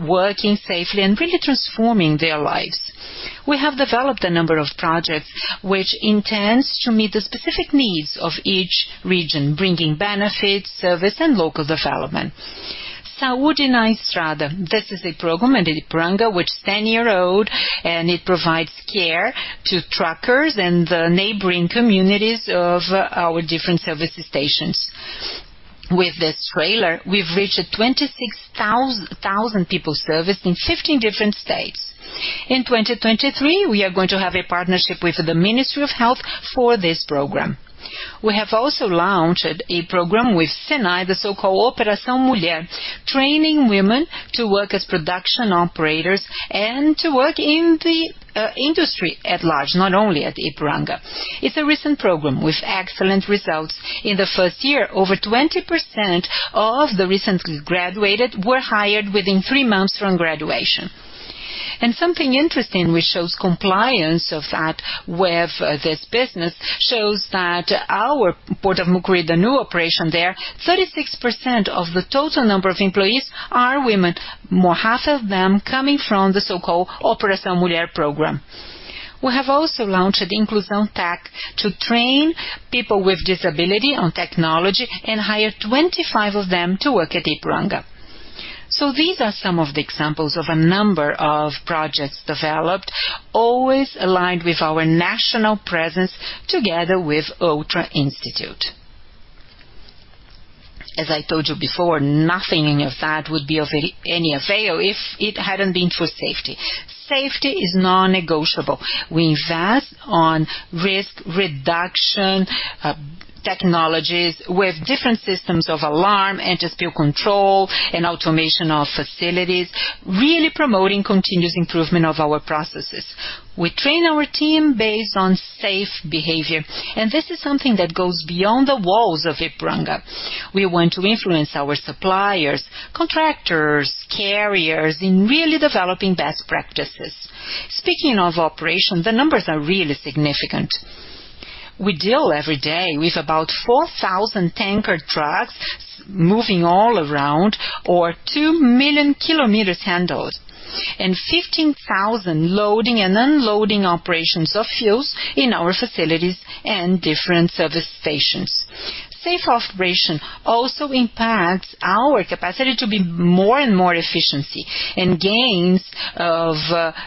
working safely and really transforming their lives. We have developed a number of projects which intends to meet the specific needs of each region, bringing benefits, service and local development. Saúde na Estrada, this is a program at Ipiranga which is 10-year-old, and it provides care to truckers and the neighboring communities of our different service stations. With this trailer, we've reached 26,000 people serviced in 15 different states. In 2023, we are going to have a partnership with the Ministry of Health for this program. We have also launched a program with SENAI, the so-called Operação Mulher, training women to work as production operators and to work in the industry at large, not only at Ipiranga. It's a recent program with excellent results. In the first year, over 20% of the recently graduated were hired within three months from graduation. Something interesting which shows compliance of that with this business, shows that our Port of Mucuripe, the new operation there, 36% of the total number of employees are women, more half of them coming from the so-called Operação Mulher program. We have also launched Inclusão Tech to train people with disability on technology and hire 25 of them to work at Ipiranga. These are some of the examples of a number of projects developed, always aligned with our national presence together with Instituto Ultra. As I told you before, nothing of that would be of any avail if it hadn't been for safety. Safety is non-negotiable. We invest on risk reduction, technologies with different systems of alarm, and just spill control and automation of facilities, really promoting continuous improvement of our processes. We train our team based on safe behavior. This is something that goes beyond the walls of Ipiranga. We want to influence our suppliers, contractors, carriers in really developing best practices. Speaking of operation, the numbers are really significant. We deal every day with about 4,000 tanker trucks moving all around or two million kilometers handled and 15,000 loading and unloading operations of fuels in our facilities and different service stations. Safe operation also impacts our capacity to be more and more efficiency, and gains of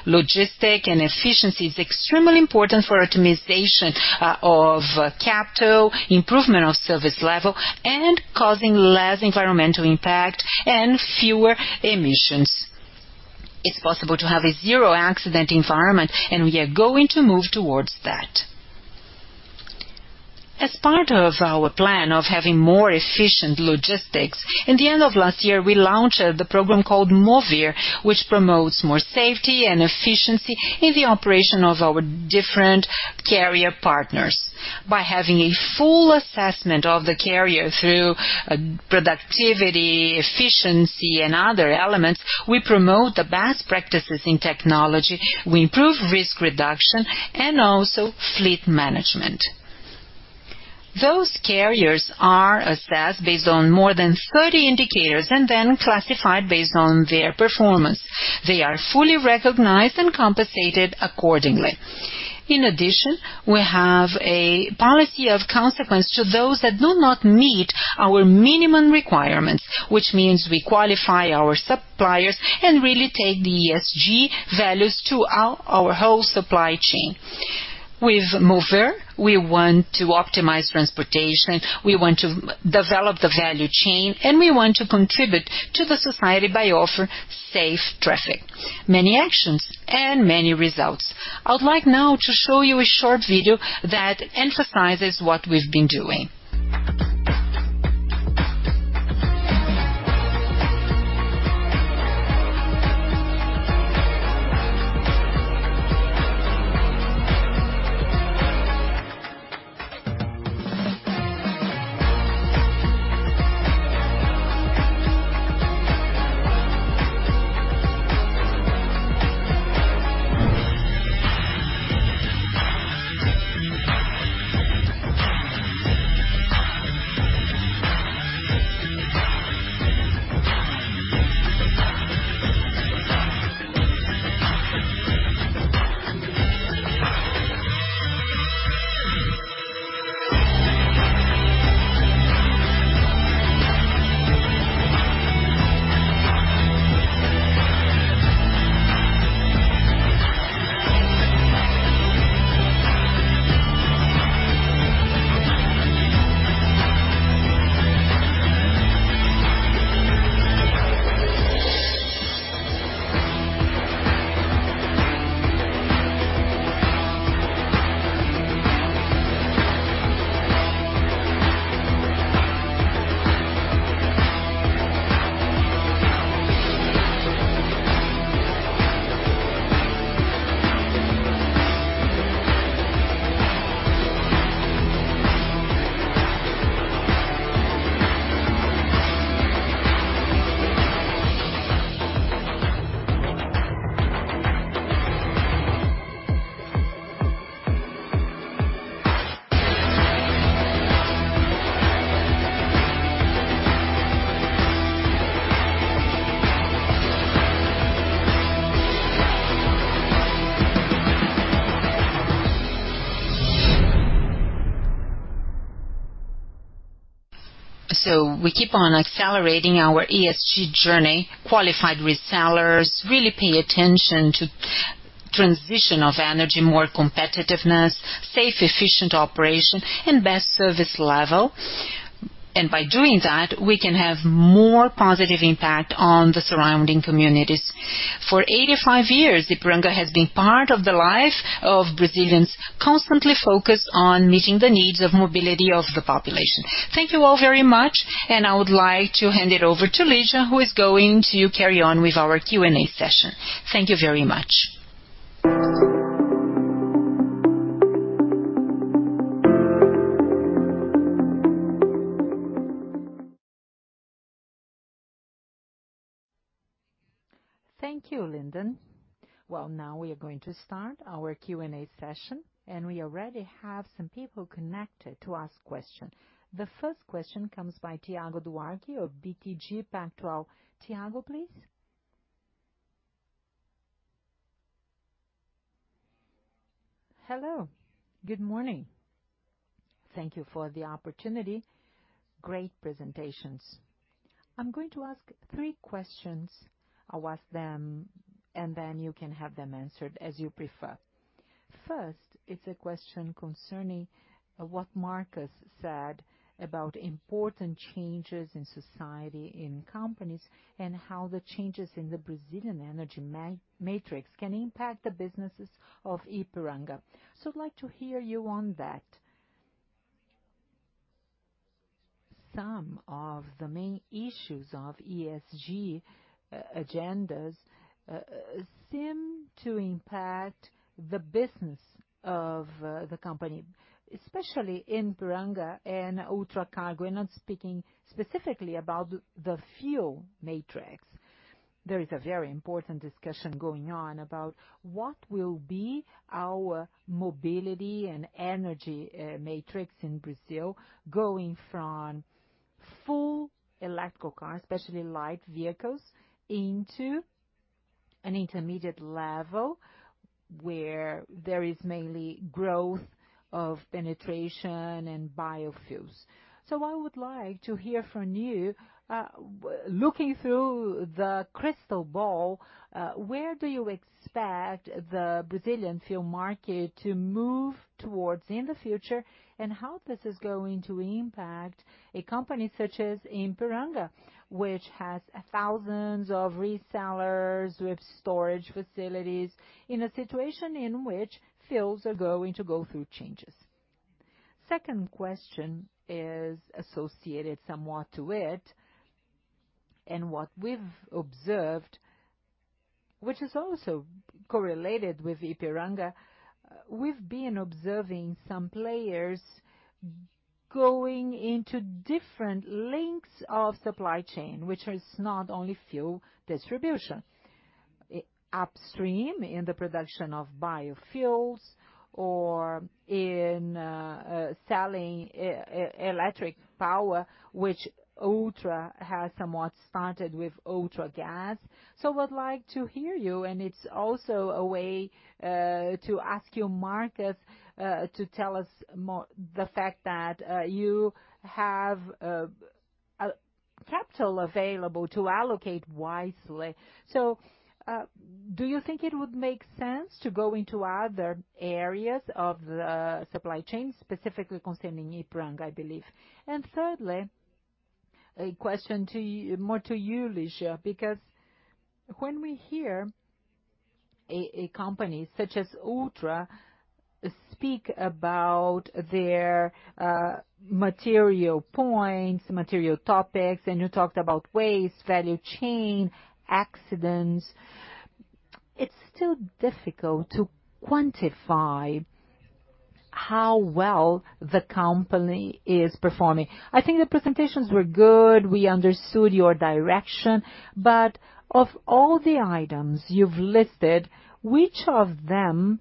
logistic and efficiency is extremely important for optimization of capital, improvement of service level, and causing less environmental impact and fewer emissions. It's possible to have a zero accident environment. We are going to move towards that. As part of our plan of having more efficient logistics, in the end of last year, we launched the program called MOVER, which promotes more safety and efficiency in the operation of our different carrier partners. By having a full assessment of the carrier through productivity, efficiency, and other elements, we promote the best practices in technology. We improve risk reduction and also fleet management. Those carriers are assessed based on more than 30 indicators and then classified based on their performance. They are fully recognized and compensated accordingly. We have a policy of consequence to those that do not meet our minimum requirements, which means we qualify our suppliers and really take the ESG values to our whole supply chain. With MOVER, we want to optimize transportation, we want to develop the value chain, and we want to contribute to the society by offer safe traffic. Many actions and many results. I would like now to show you a short video that emphasizes what we've been doing. We keep on accelerating our ESG journey, qualified resellers really pay attention to transition of energy, more competitiveness, safe, efficient operation, and best service level. By doing that, we can have more positive impact on the surrounding communities. For 85 years, Ipiranga has been part of the life of Brazilians, constantly focused on meeting the needs of mobility of the population. Thank you all very much, and I would like to hand it over to Ligia, who is going to carry on with our Q&A session. Thank you very much. Thank you, Linden. Well, now we are going to start our Q&A session, and we already have some people connected to ask question. The first question comes by Thiago Duarte of BTG Pactual. Thiago, please. Hello. Good morning. Thank you for the opportunity. Great presentations. I'm going to ask three questions. I'll ask them, and then you can have them answered as you prefer. First, it's a question concerning what Marcos said about important changes in society, in companies, and how the changes in the Brazilian energy matrix can impact the businesses of Ipiranga. I'd like to hear you on that. Some of the main issues of ESG agendas seem to impact the business of the company, especially Ipiranga and Ultracargo. We're not speaking specifically about the fuel matrix. There is a very important discussion going on about what will be our mobility and energy matrix in Brazil going from full electrical cars, especially light vehicles, into an intermediate level where there is mainly growth of penetration and biofuels. I would like to hear from you, looking through the crystal ball, where do you expect the Brazilian fuel market to move towards in the future, and how this is going to impact a company such as Ipiranga, which has thousands of resellers with storage facilities in a situation in which fuels are going to go through changes? Second question is associated somewhat to it, what we've observed, which is also correlated with Ipiranga, we've been observing some players going into different links of supply chain, which is not only fuel distribution. Upstream in the production of biofuels or in selling electric power, which Ultra has somewhat started with Ultragaz. I would like to hear you, and it's also a way to ask you, Marcos, to tell us more, the fact that you have capital available to allocate wisely. Do you think it would make sense to go into other areas of the supply chain, specifically concerning Ipiranga, I believe? Thirdly, a question to you, more to you, Ligia, because when we hear a company such as Ultra speak about their material points, material topics, and you talked about waste, value chain, accidents, it's still difficult to quantify how well the company is performing. I think the presentations were good. We understood your direction, but of all the items you've listed, which of them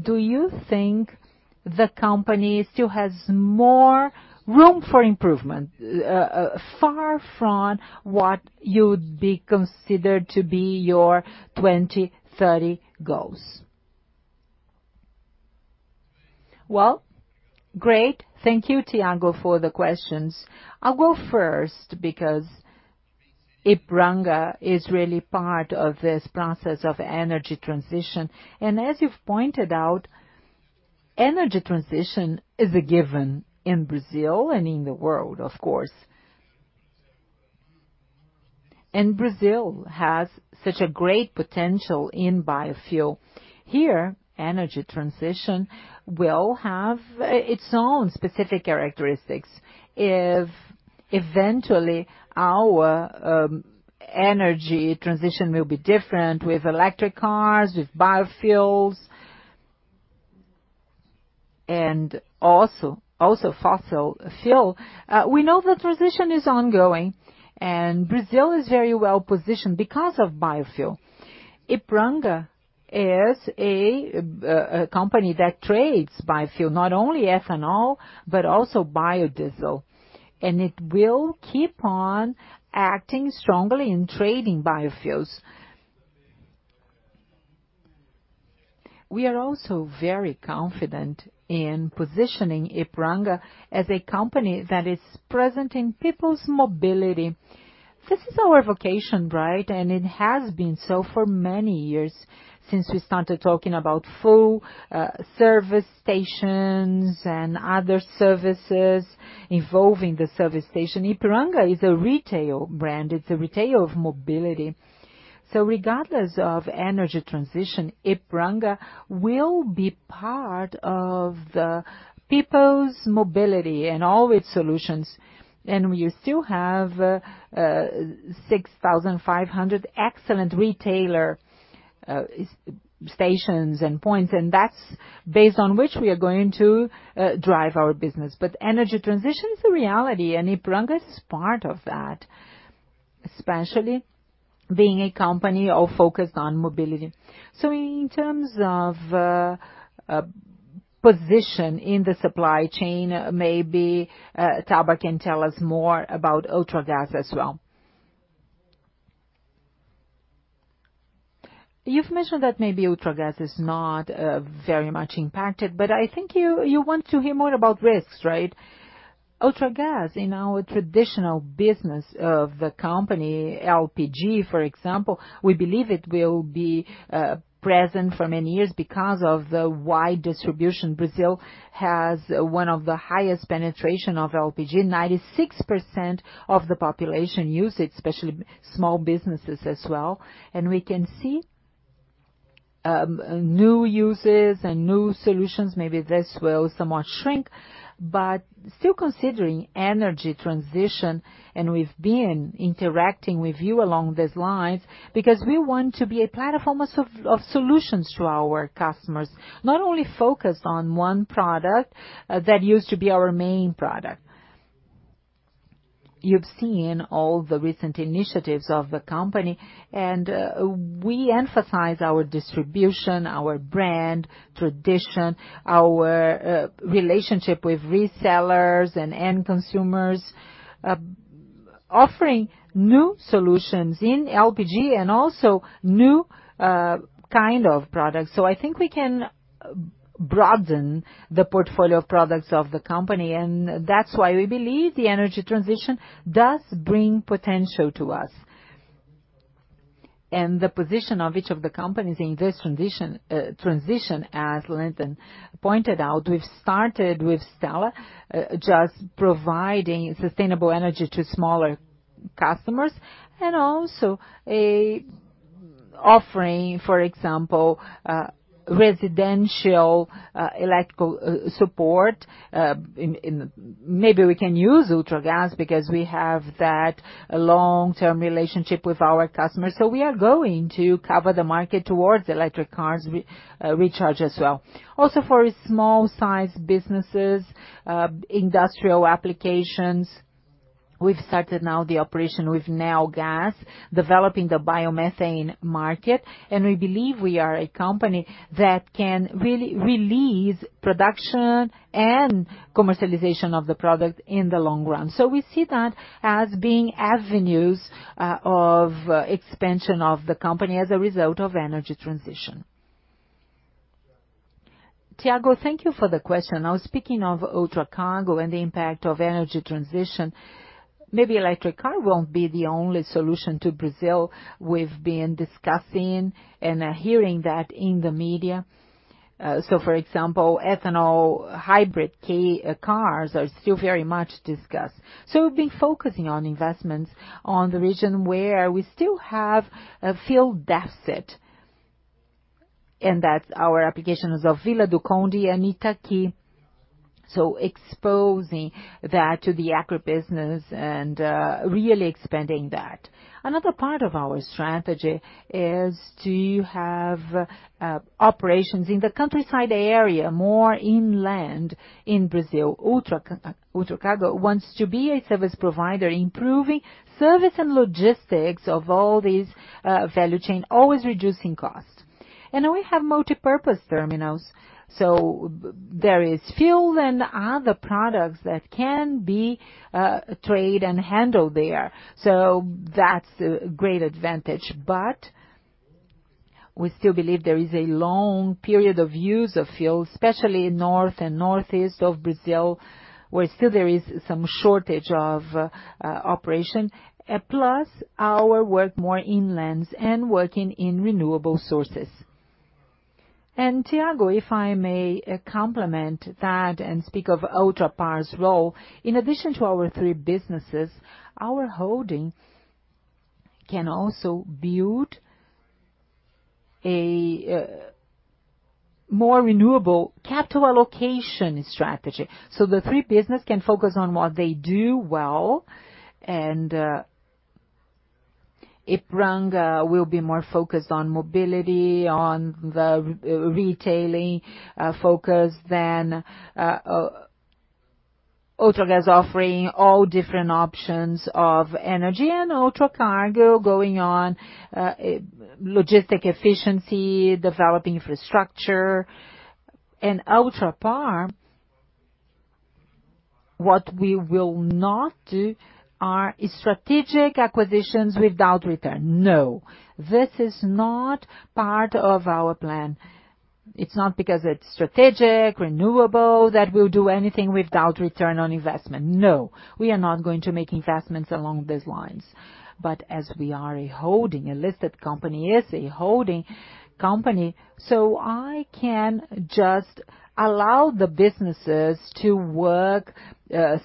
do you think the company still has more room for improvement, far from what you'd be considered to be your 2030 goals? Well, great. Thank you, Thiago, for the questions. I'll go first because Ipiranga is really part of this process of energy transition. As you've pointed out, energy transition is a given in Brazil and in the world, of course. Brazil has such a great potential in biofuel. Here, energy transition will have its own specific characteristics. Energy transition will be different with electric cars, with biofuels, and also fossil fuel. We know the transition is ongoing, and Brazil is very well-positioned because of biofuel. Ipiranga is a company that trades biofuel, not only ethanol, but also biodiesel, and it will keep on acting strongly in trading biofuels. We are also very confident in positioning Ipiranga as a company that is present in people's mobility. This is our vocation, right? It has been so for many years since we started talking about full service stations and other services involving the service station. Ipiranga is a retail brand. It's a retailer of mobility. Regardless of energy transition, Ipiranga will be part of the people's mobility and all with solutions. We still have 6,500 excellent retailer stations and points and that's based on which we are going to drive our business. Energy transition is a reality and Ipiranga is part of that, especially being a company all focused on mobility. In terms of position in the supply chain, maybe Taba can tell us more about Ultragaz as well. You've mentioned that maybe Ultragaz is not very much impacted, but I think you want to hear more about risks, right? Ultragaz, in our traditional business of the company, LPG, for example, we believe it will be present for many years because of the wide distribution. Brazil has one of the highest penetration of LPG. 96% of the population use it, especially small businesses as well. We can see new uses and new solutions. Maybe this will somewhat shrink, but still considering energy transition and we've been interacting with you along these lines because we want to be a platform of solutions to our customers, not only focused on one product that used to be our main product. You've seen all the recent initiatives of the company, we emphasize our distribution, our brand, tradition, our relationship with resellers and end consumers, offering new solutions in LPG and also new kind of products. I think we can broaden the portfolio of products of the company, and that's why we believe the energy transition does bring potential to us. The position of each of the companies in this transition, as Linden pointed out, we've started with Stella, just providing sustainable energy to smaller customers and also offering, for example, residential, electrical support. Maybe we can use Ultragaz because we have that long-term relationship with our customers. We are going to cover the market towards electric cars recharge as well. Also, for small size businesses, industrial applications, we've started now the operation with NEOgás, developing the biomethane market, and we believe we are a company that can release production and commercialization of the product in the long run. We see that as being avenues of expansion of the company as a result of energy transition. Tiago, thank you for the question. Speaking of Ultracargo and the impact of energy transition, maybe electric car won't be the only solution to Brazil we've been discussing and hearing that in the media. For example, ethanol hybrid cars are still very much discussed. We've been focusing on investments on the region where we still have a fuel deficit, and that our applications of Vila do Conde and Itaqui, exposing that to the agribusiness and really expanding that. Another part of our strategy is to have operations in the countryside area, more inland in Brazil. Ultracargo wants to be a service provider, improving service and logistics of all these value chain, always reducing costs. We have multipurpose terminals, there is fuel and other products that can be trade and handled there. That's a great advantage. We still believe there is a long period of use of fuel, especially north and northeast of Brazil, where still there is some shortage of operation, plus our work more inlands and working in renewable sources. Tiago, if I may complement that and speak of Ultrapar's role, in addition to our three businesses, our holdings can also build a more renewable capital allocation strategy. The three business can focus on what they do well and Ipiranga will be more focused on mobility, on the re-retailing focus than Ultragaz offering all different options of energy and Ultracargo going on logistic efficiency, developing infrastructure and Ultrapar. What we will not do are strategic acquisitions without return. No, this is not part of our plan. It's not because it's strategic, renewable that we'll do anything without return on investment. No, we are not going to make investments along those lines. As we are a holding, a listed company is a holding company, so I can just allow the businesses to work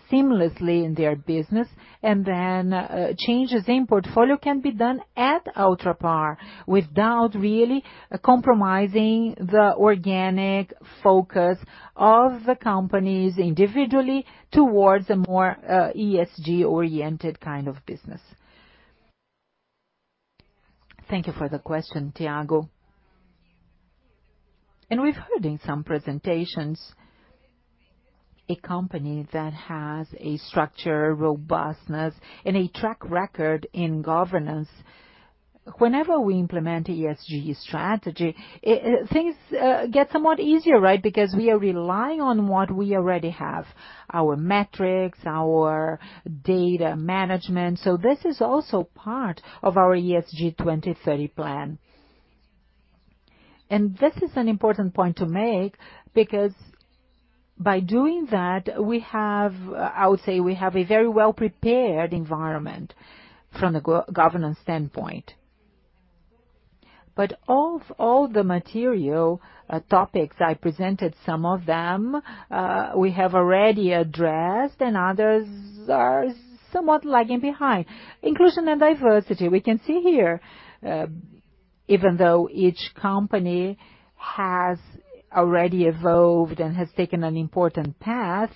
seamlessly in their business and then changes in portfolio can be done at Ultrapar without really compromising the organic focus of the companies individually towards a more ESG-oriented kind of business. Thank you for the question, Tiago. We've heard in some presentations, a company that has a structure robustness and a track record in governance. Whenever we implement ESG strategy, things get somewhat easier, right? Because we are relying on what we already have, our metrics, our data management. This is also part of our ESG 2030 plan. This is an important point to make because by doing that, we have, I would say we have a very well-prepared environment from a governance standpoint. Of all the material topics I presented, some of them, we have already addressed, and others are somewhat lagging behind. Inclusion and diversity, we can see here, even though each company has already evolved and has taken an important path,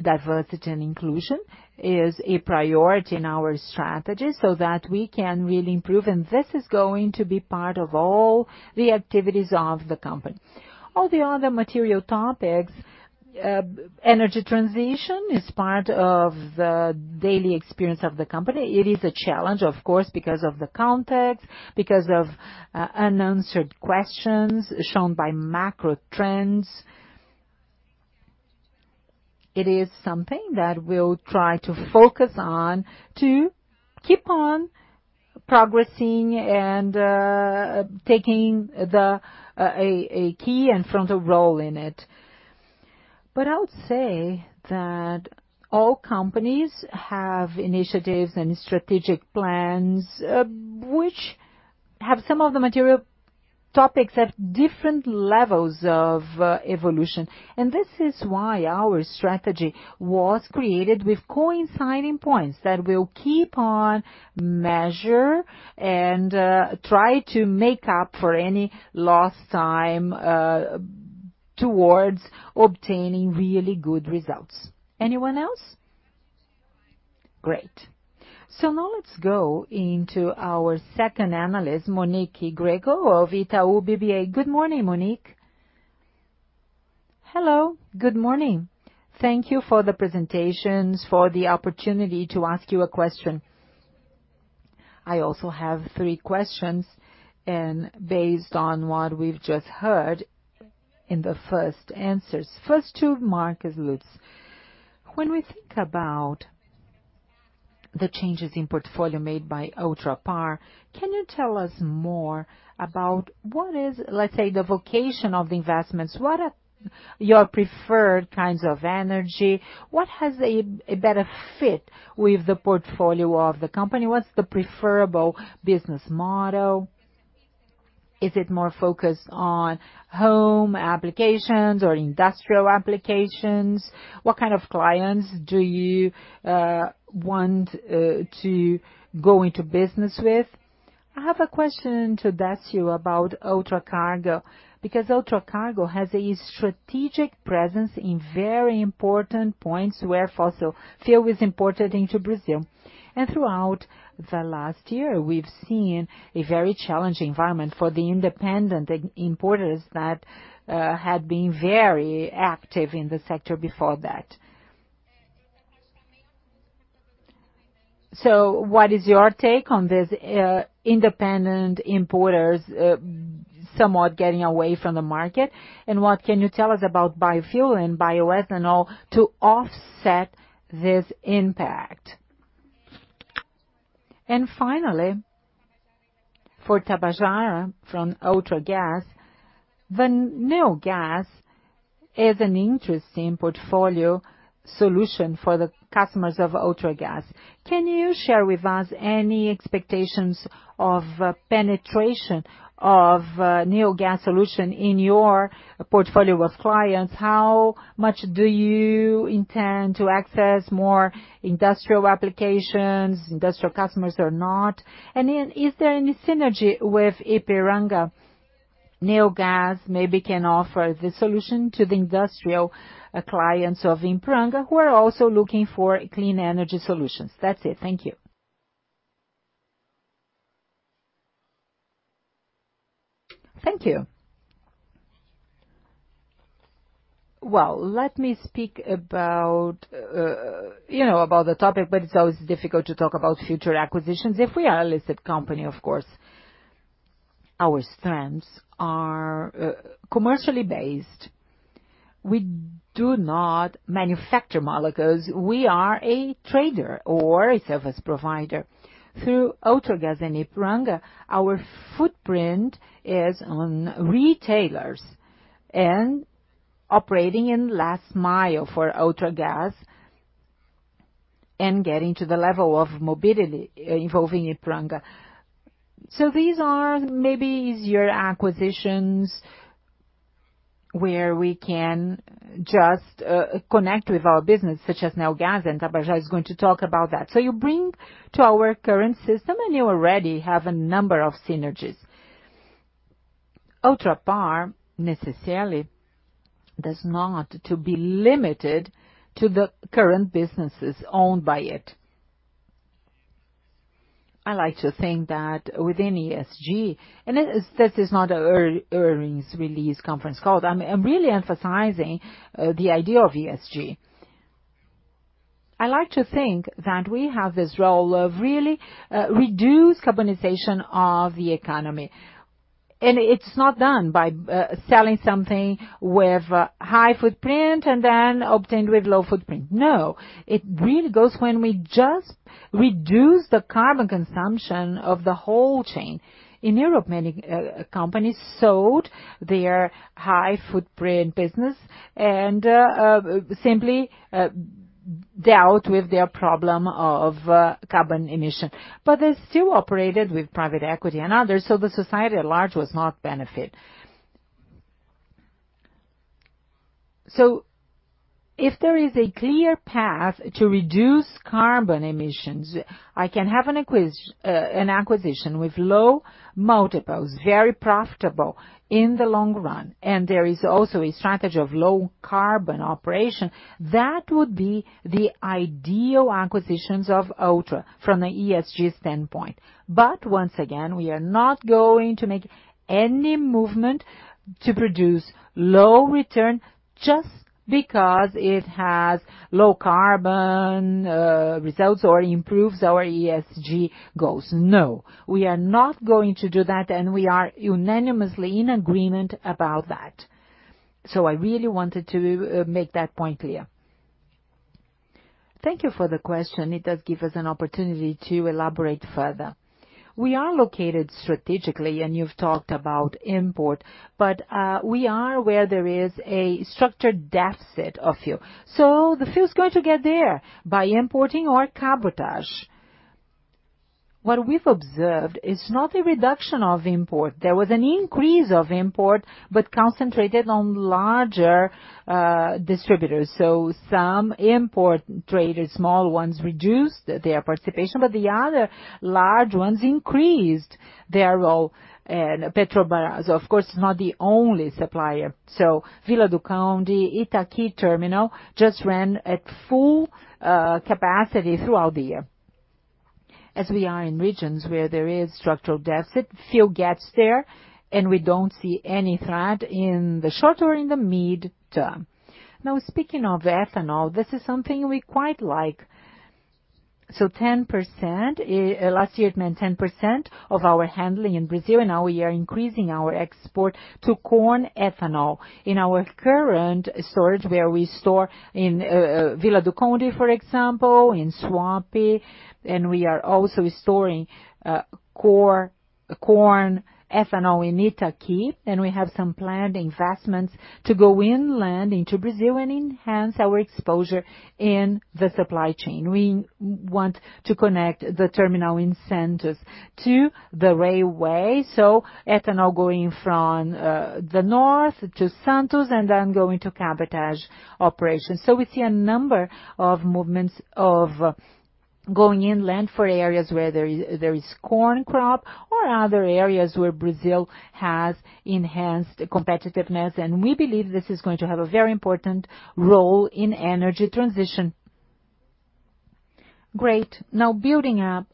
diversity and inclusion is a priority in our strategy so that we can really improve, and this is going to be part of all the activities of the company. All the other material topics, energy transition is part of the daily experience of the company. It is a challenge, of course, because of the context, because of unanswered questions shown by macro trends. It is something that we'll try to focus on to keep on progressing and taking the a key and frontal role in it. I would say that all companies have initiatives and strategic plans, which have some of the material topics at different levels of evolution. This is why our strategy was created with coinciding points that will keep on measure and try to make up for any lost time towards obtaining really good results. Anyone else? Great. Now let's go into our second analyst, Monique Greco of Itaú BBA. Good morning, Monique. Hello, good morning. Thank you for the presentations, for the opportunity to ask you a question. I also have three questions and based on what we've just heard in the first answers. First to Marcos Lutz. When we think about the changes in portfolio made by Ultrapar, can you tell us more about what is, let's say, the vocation of the investments, what are your preferred kinds of energy? What has a better fit with the portfolio of the company? What's the preferable business model? Is it more focused on home applications or industrial applications? What kind of clients do you want to go into business with? I have a question to ask you about Ultracargo, because Ultracargo has a strategic presence in very important points where fossil fuel is imported into Brazil. Throughout the last year, we've seen a very challenging environment for the independent importers that had been very active in the sector before that. What is your take on these independent importers somewhat getting away from the market? What can you tell us about biofuel and bioethanol to offset this impact? Finally, for Tabajara from Ultragaz, NEOgás is an interesting portfolio solution for the customers of Ultragaz. Can you share with us any expectations of penetration of NEOgás solution in your portfolio of clients? How much do you intend to access more industrial applications, industrial customers or not? Is there any synergy with Ipiranga? NEOgás maybe can offer the solution to the industrial clients of Ipiranga who are also looking for clean energy solutions. That's it. Thank you. Thank you. Well, let me speak about, you know, about the topic, but it's always difficult to talk about future acquisitions. If we are a listed company, of course, our strengths are commercially based. We do not manufacture molecules. We are a trader or a service provider. Through Ultragaz and Ipiranga, our footprint is on retailers and operating in last mile for Ultragaz and getting to the level of mobility involving Ipiranga. These are maybe easier acquisitions where we can just connect with our business, such as NEOgás, and Tabajara is going to talk about that. You bring to our current system, and you already have a number of synergies. Ultrapar necessarily does not to be limited to the current businesses owned by it. I like to think that within ESG and this is not our earnings release conference call, I'm really emphasizing the idea of ESG. I like to think that we have this role of really reduce carbonization of the economy. It's not done by selling something with high footprint and then obtained with low footprint. It really goes when we just reduce the carbon consumption of the whole chain. In Europe, many companies sold their high footprint business and simply dealt with their problem of carbon emission. They still operated with private equity and others, the society at large was not benefit. If there is a clear path to reduce carbon emissions, I can have an acquisition with low multiples, very profitable in the long run, and there is also a strategy of low carbon operation. That would be the ideal acquisitions of Ultra from the ESG standpoint. Once again, we are not going to make any movement to produce low return just because it has low carbon results or improves our ESG goals. We are not going to do that, and we are unanimously in agreement about that. I really wanted to make that point clear. Thank you for the question. It does give us an opportunity to elaborate further. We are located strategically, and you've talked about import, but we are where there is a structured deficit of fuel. The fuel's going to get there by importing or cabotage. What we've observed is not a reduction of import. There was an increase of import, but concentrated on larger distributors. Some import traders, small ones, reduced their participation, but the other large ones increased their role. Petrobras, of course, is not the only supplier. Vila do Conde, Itaqui Terminal just ran at full capacity throughout the year. We are in regions where there is structural deficit, fuel gaps there, and we don't see any threat in the short or in the mid-term. Speaking of ethanol, this is something we quite like. 10% last year it meant 10% of our handling in Brazil. Now we are increasing our export to corn ethanol in our current storage, where we store in Vila do Conde, for example, in Suape. We are also storing corn ethanol in Itaqui and we have some planned investments to go inland into Brazil and enhance our exposure in the supply chain. We want to connect the terminal incentives to the railway, ethanol going from the north to Santos and then going to cabotage operations. We see a number of movements of going inland for areas where there is corn crop or other areas where Brazil has enhanced competitiveness, and we believe this is going to have a very important role in energy transition. Great. Now building on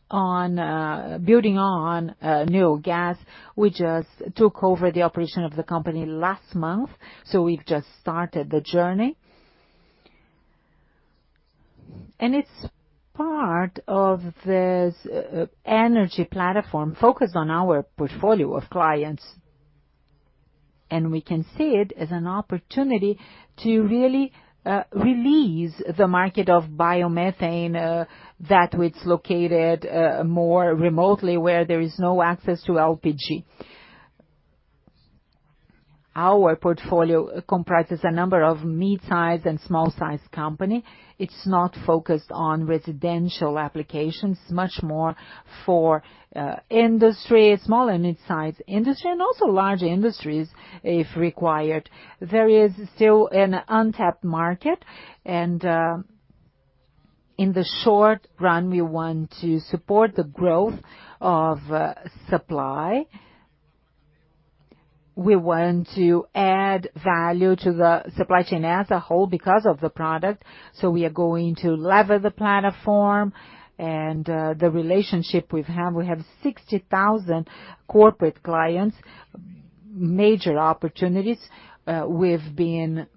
NEOgás, we just took over the operation of the company last month, so we've just started the journey. It's part of this energy platform focused on our portfolio of clients. We can see it as an opportunity to really release the market of biomethane, that which located more remotely where there is no access to LPG. Our portfolio comprises a number of mid-size and small size company. It's not focused on residential applications, much more for industry, small and mid-size industry, and also large industries if required. There is still an untapped market and in the short run, we want to support the growth of supply. We want to add value to the supply chain as a whole because of the product, so we are going to lever the platform and the relationship we have. We have 60,000 corporate clients, major opportunities. We've been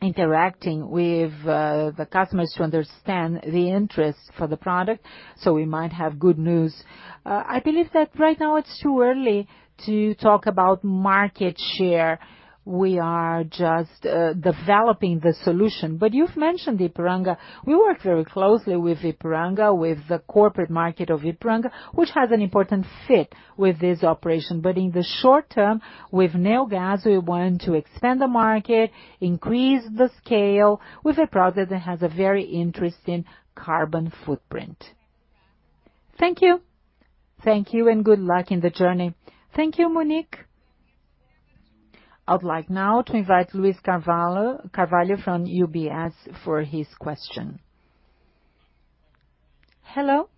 interacting with the customers to understand the interest for the product, so we might have good news. I believe that right now it's too early to talk about market share. We are just developing the solution. You've mentioned Ipiranga. We work very closely with Ipiranga, with the corporate market of Ipiranga, which has an important fit with this operation. In the short term, with Ultragaz, we want to expand the market, increase the scale with a product that has a very interesting carbon footprint. Thank you. Thank you and good luck in the journey. Thank you, Monique. I'd like now to invite Luiz Carvalho from UBS for his question. Hello.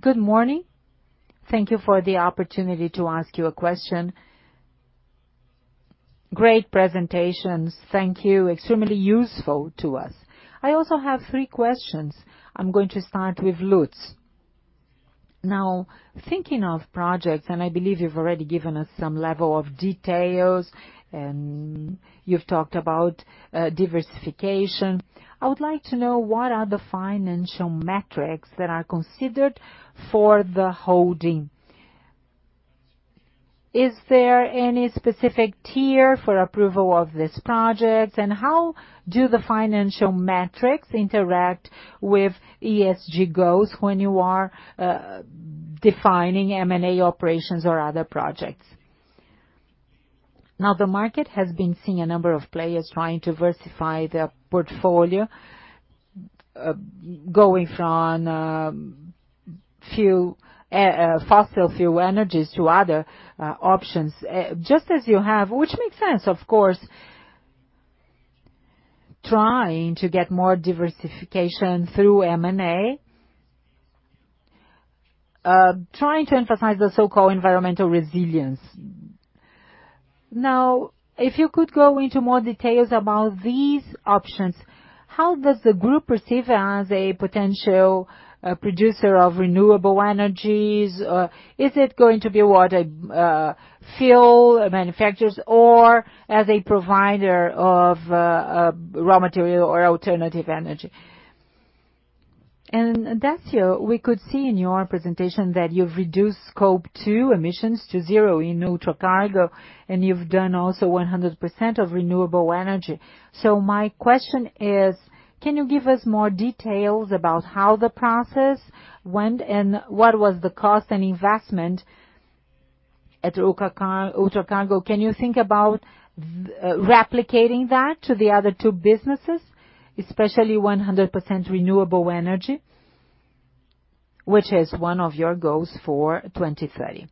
Good morning. Thank you for the opportunity to ask you a question. Great presentations. Thank you. Extremely useful to us. I also have three questions. I'm going to start with Lutz. Now, thinking of projects, and I believe you've already given us some level of details, and you've talked about diversification. I would like to know what are the financial metrics that are considered for the holding. Is there any specific tier for approval of these projects? How do the financial metrics interact with ESG goals when you are defining M&A operations or other projects? The market has been seeing a number of players trying to diversify their portfolio, going from fuel, fossil fuel energies to other options, just as you have, which makes sense, of course, trying to get more diversification through M&A, trying to emphasize the so-called environmental resilience. If you could go into more details about these options, how does the group perceive as a potential producer of renewable energies? Or is it going to be what fuel manufacturers or as a provider of raw material or alternative energy? Décio, we could see in your presentation that you've reduced Scope 2 emissions to 0 in Ultracargo, and you've done also 100% of renewable energy. My question is, can you give us more details about how the process went and what was the cost and investment at Ultracargo? Can you think about replicating that to the other two businesses, especially 100% renewable energy, which is one of your goals for 2030?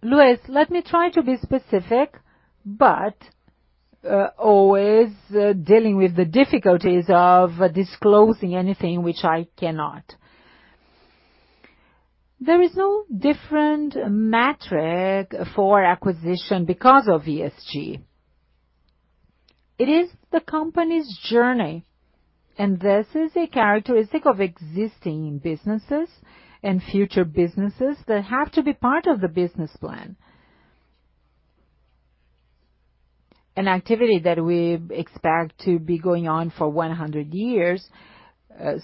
Luiz, let me try to be specific, but always dealing with the difficulties of disclosing anything which I cannot. There is no different metric for acquisition because of ESG. It is the company's journey, and this is a characteristic of existing businesses and future businesses that have to be part of the business plan. An activity that we expect to be going on for 100 years,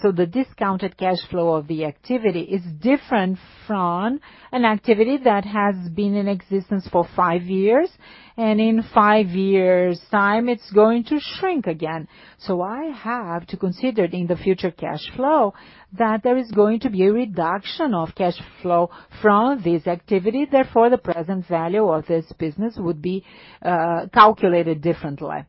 so the discounted cash flow of the activity is different from an activity that has been in existence for five years, and in five years' time, it's going to shrink again. I have to consider in the future cash flow that there is going to be a reduction of cash flow from this activity. Therefore, the present value of this business would be calculated differently.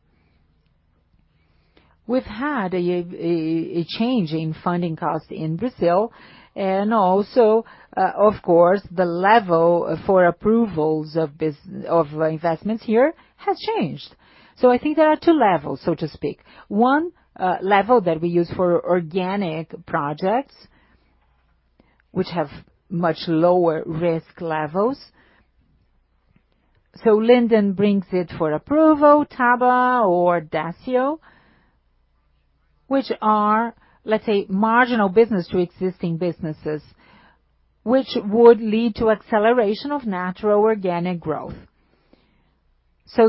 We've had a change in funding costs in Brazil and also, of course, the level for approvals of investments here has changed. I think there are two levels, so to speak. One level that we use for organic projects which have much lower risk levels. Linden brings it for approval, Taba or Décio, which are, let's say, marginal business to existing businesses, which would lead to acceleration of natural organic growth.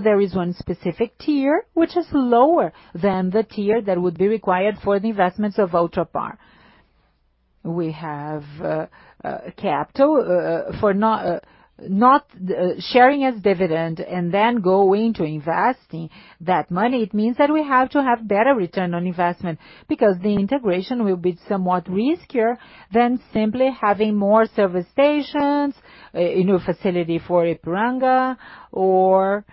There is one specific tier which is lower than the tier that would be required for the investments of Ultrapar. We have capital for not sharing as dividend and then going to investing that money. It means that we have to have better return on investment because the integration will be somewhat riskier than simply having more service stations, a new facility for Ipiranga or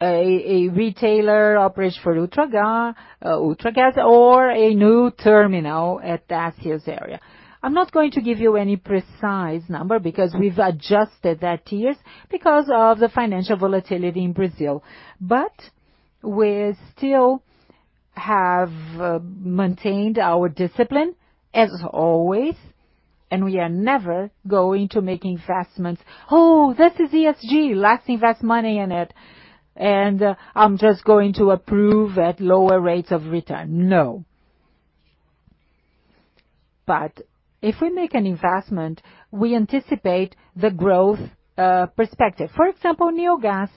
a retailer operation for Ultragaz or a new terminal at Décio's area. I'm not going to give you any precise number because we've adjusted that tiers because of the financial volatility in Brazil. We're still have maintained our discipline as always, we are never going to make investments. "Oh, this is ESG, let's invest money in it, I'm just going to approve at lower rates of return." No. If we make an investment, we anticipate the growth perspective. For example, Neogás,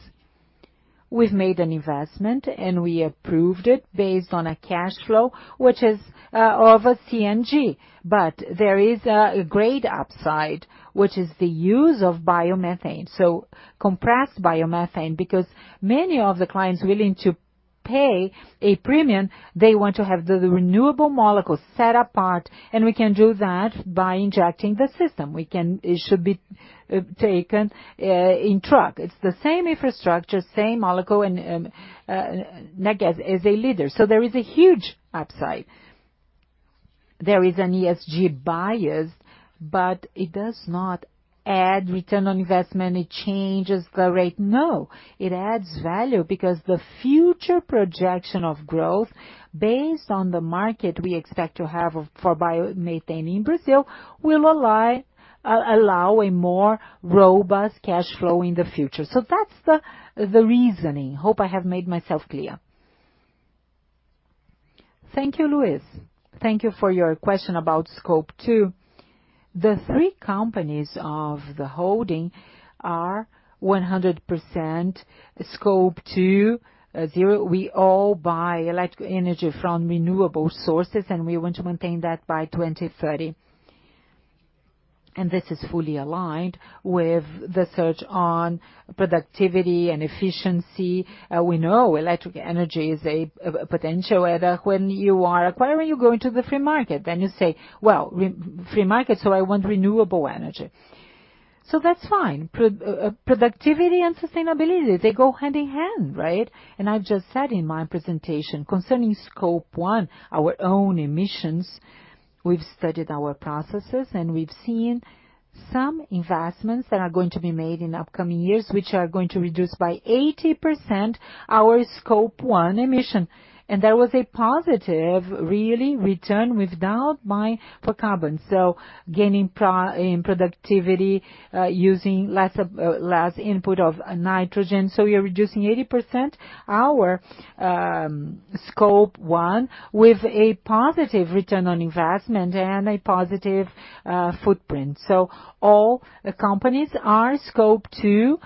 we've made an investment, we approved it based on a cash flow, which is of a CNG, there is a great upside, which is the use of biomethane. Compressed biomethane because many of the clients willing to pay a premium, they want to have the renewable molecules set apart, we can do that by injecting the system. It should be taken in truck. It's the same infrastructure, same molecule. Neogás is a leader. There is a huge upside. There is an ESG bias, but it does not add return on investment. It changes the rate. No. It adds value because the future projection of growth based on the market we expect to have for biomethane in Brazil will allow a more robust cash flow in the future. That's the reasoning. Hope I have made myself clear. Thank you, Luiz. Thank you for your question about Scope 2. The three companies of the holding are 100% Scope 2, zero. We all buy electric energy from renewable sources, we want to maintain that by 2030. This is fully aligned with the search on productivity and efficiency. We know electric energy is a potential add-on. When you are acquiring, you go into the free market, then you say, "Well, free market, so I want renewable energy." That's fine. Productivity and sustainability, they go hand in hand, right? I've just said in my presentation concerning Scope 1, our own emissions, we've studied our processes, and we've seen some investments that are going to be made in upcoming years, which are going to reduce by 80% our Scope 1 emission. There was a positive really return without buying for carbon. Gaining in productivity, using less, less input of nitrogen. We are reducing 80% our Scope 1 with a positive return on investment and a positive footprint. All companies are Scope 2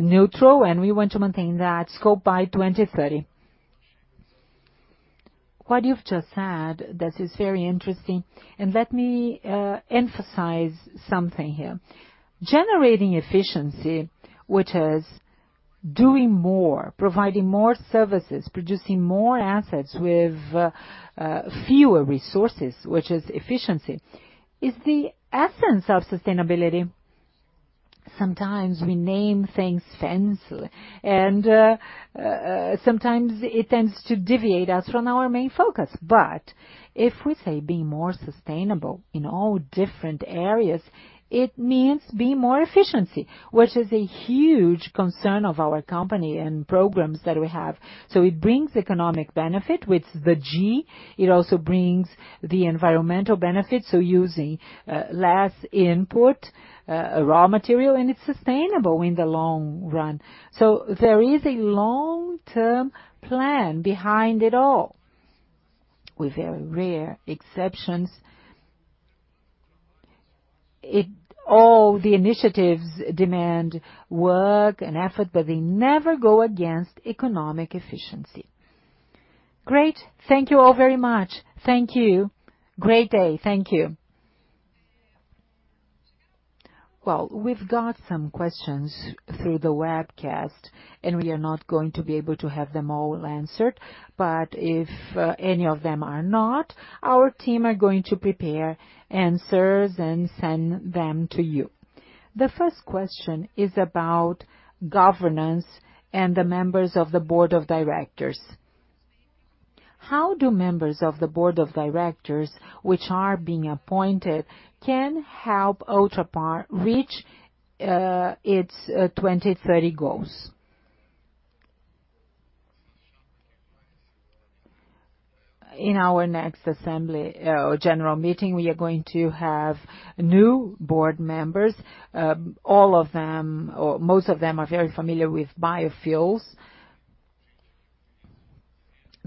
neutral, and we want to maintain that Scope by 2030. What you've just said, this is very interesting, and let me emphasize something here. Generating efficiency, which is doing more, providing more services, producing more assets with fewer resources, which is efficiency, is the essence of sustainability. Sometimes we name things fancy and sometimes it tends to deviate us from our main focus. If we say be more sustainable in all different areas, it means be more efficiency, which is a huge concern of our company and programs that we have. It brings economic benefit with the G. It also brings the environmental benefit, so using less input, raw material, and it's sustainable in the long run. There is a long-term plan behind it all. With very rare exceptions, all the initiatives demand work and effort, but they never go against economic efficiency. Great. Thank you all very much. Thank you. Great day. Thank you. We've got some questions through the webcast, and we are not going to be able to have them all answered, but if any of them are not, our team are going to prepare answers and send them to you. The first question is about governance and the members of the board of directors. How do members of the board of directors which are being appointed can help Ultrapar reach its 2030 goals? In our next assembly, or general meeting, we are going to have new board members. All of them or most of them are very familiar with biofuels.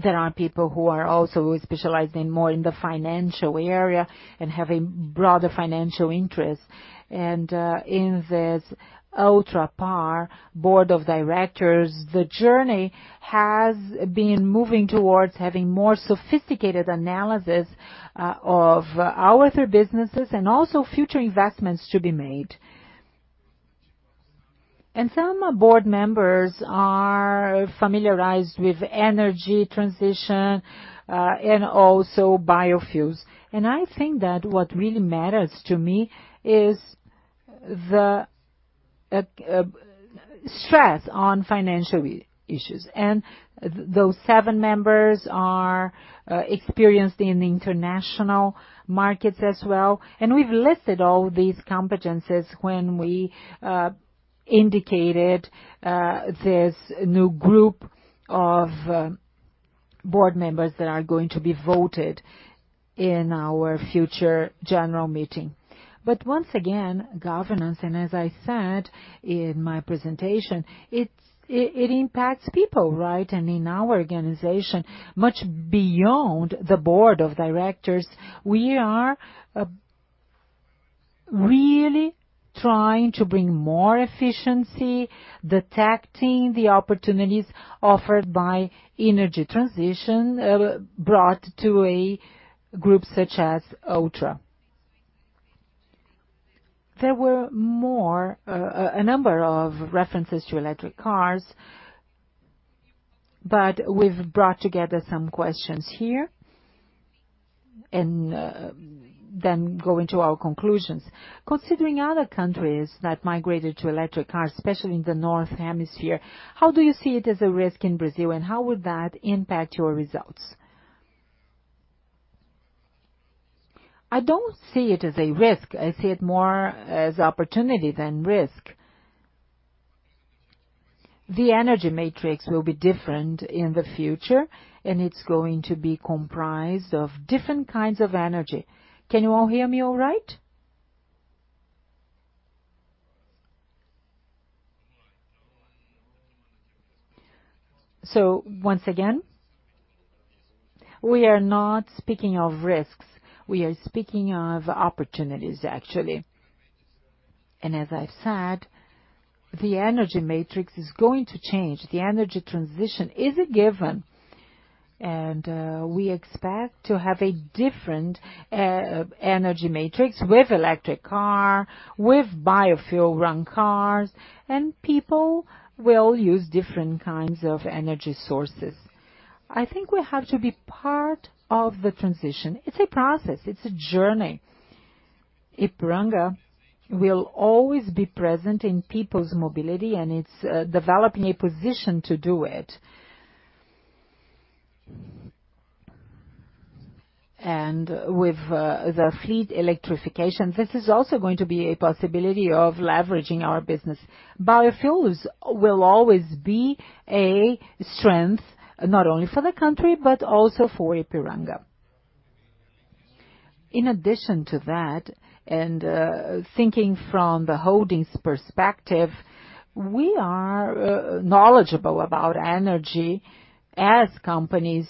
There are people who are also specialized in more in the financial area and have a broader financial interest. In this Ultrapar Board of Directors, the journey has been moving towards having more sophisticated analysis of our three businesses and also future investments to be made. Some board members are familiarized with energy transition and also biofuels. I think that what really matters to me is the stress on financial issues. Those seven members are experienced in international markets as well. We've listed all these competencies when we indicated this new group of board members that are going to be voted in our future general meeting. Once again, governance, and as I said in my presentation, it impacts people, right? In our organization, much beyond the Board of Directors, we are really trying to bring more efficiency, detecting the opportunities offered by energy transition brought to a group such as Ultra. There were more, a number of references to electric cars, but we've brought together some questions here and then go into our conclusions. Considering other countries that migrated to electric cars, especially in the North Hemisphere, how do you see it as a risk in Brazil, and how would that impact your results? I don't see it as a risk. I see it more as opportunity than risk. The energy matrix will be different in the future, and it's going to be comprised of different kinds of energy. Can you all hear me all right? Once again, we are not speaking of risks. We are speaking of opportunities, actually. As I've said, the energy matrix is going to change. The energy transition is a given, and we expect to have a different energy matrix with electric car, with biofuel-run cars, and people will use different kinds of energy sources. I think we have to be part of the transition. It's a process. It's a journey. Ipiranga will always be present in people's mobility, and it's developing a position to do it. And with the fleet electrification, this is also going to be a possibility of leveraging our business. Biofuels will always be a strength, not only for the country, but also for Ipiranga. In addition to that, and thinking from the holdings perspective, we are knowledgeable about energy. As companies,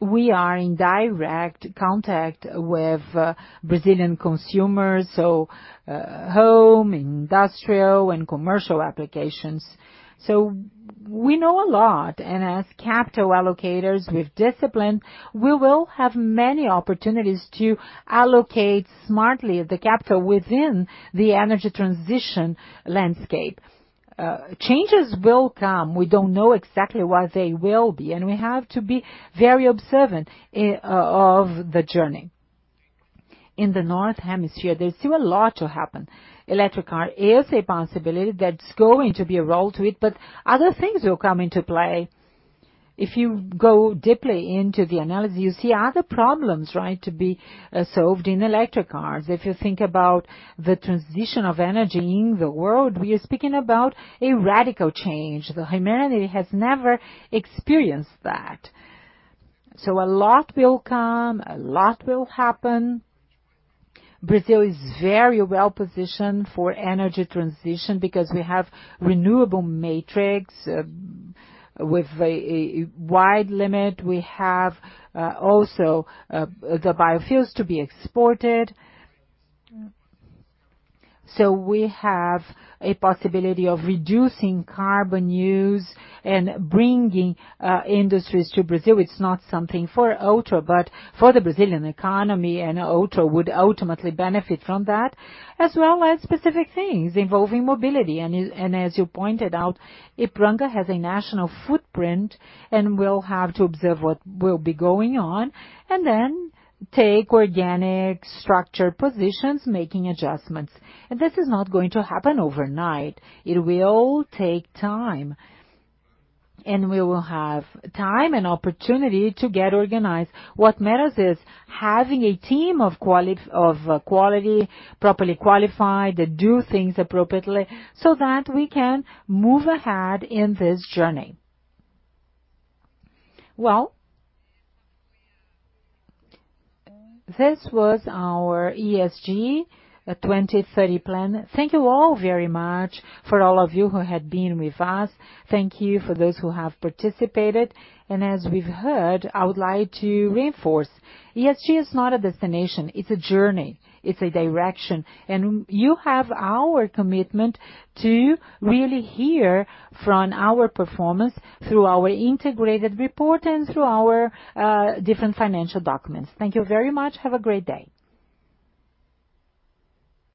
we are in direct contact with Brazilian consumers, so home, industrial, and commercial applications. We know a lot. As capital allocators with discipline, we will have many opportunities to allocate smartly the capital within the energy transition landscape. Changes will come. We don't know exactly what they will be, and we have to be very observant of the journey. In the North Hemisphere, there's still a lot to happen. Electric car is a possibility that's going to be a role to it, but other things will come into play. If you go deeply into the analysis, you see other problems, right, to be solved in electric cars. If you think about the transition of energy in the world, we are speaking about a radical change. The humanity has never experienced that. A lot will come, a lot will happen. Brazil is very well-positioned for energy transition because we have renewable matrix with a wide limit. We have also the biofuels to be exported. We have a possibility of reducing carbon use and bringing industries to Brazil. It's not something for Ultra, but for the Brazilian economy and Ultra would ultimately benefit from that, as well as specific things involving mobility. As you pointed out, Ipiranga has a national footprint and will have to observe what will be going on and then take organic structure positions, making adjustments. This is not going to happen overnight. It will take time, and we will have time and opportunity to get organized. What matters is having a team of quality, properly qualified, that do things appropriately so that we can move ahead in this journey. Well, this was our ESG 2030 plan. Thank you all very much for all of you who had been with us. Thank you for those who have participated. As we've heard, I would like to reinforce, ESG is not a destination. It's a journey. It's a direction. You have our commitment to really hear from our performance through our integrated report and through our different financial documents. Thank you very much. Have a great day.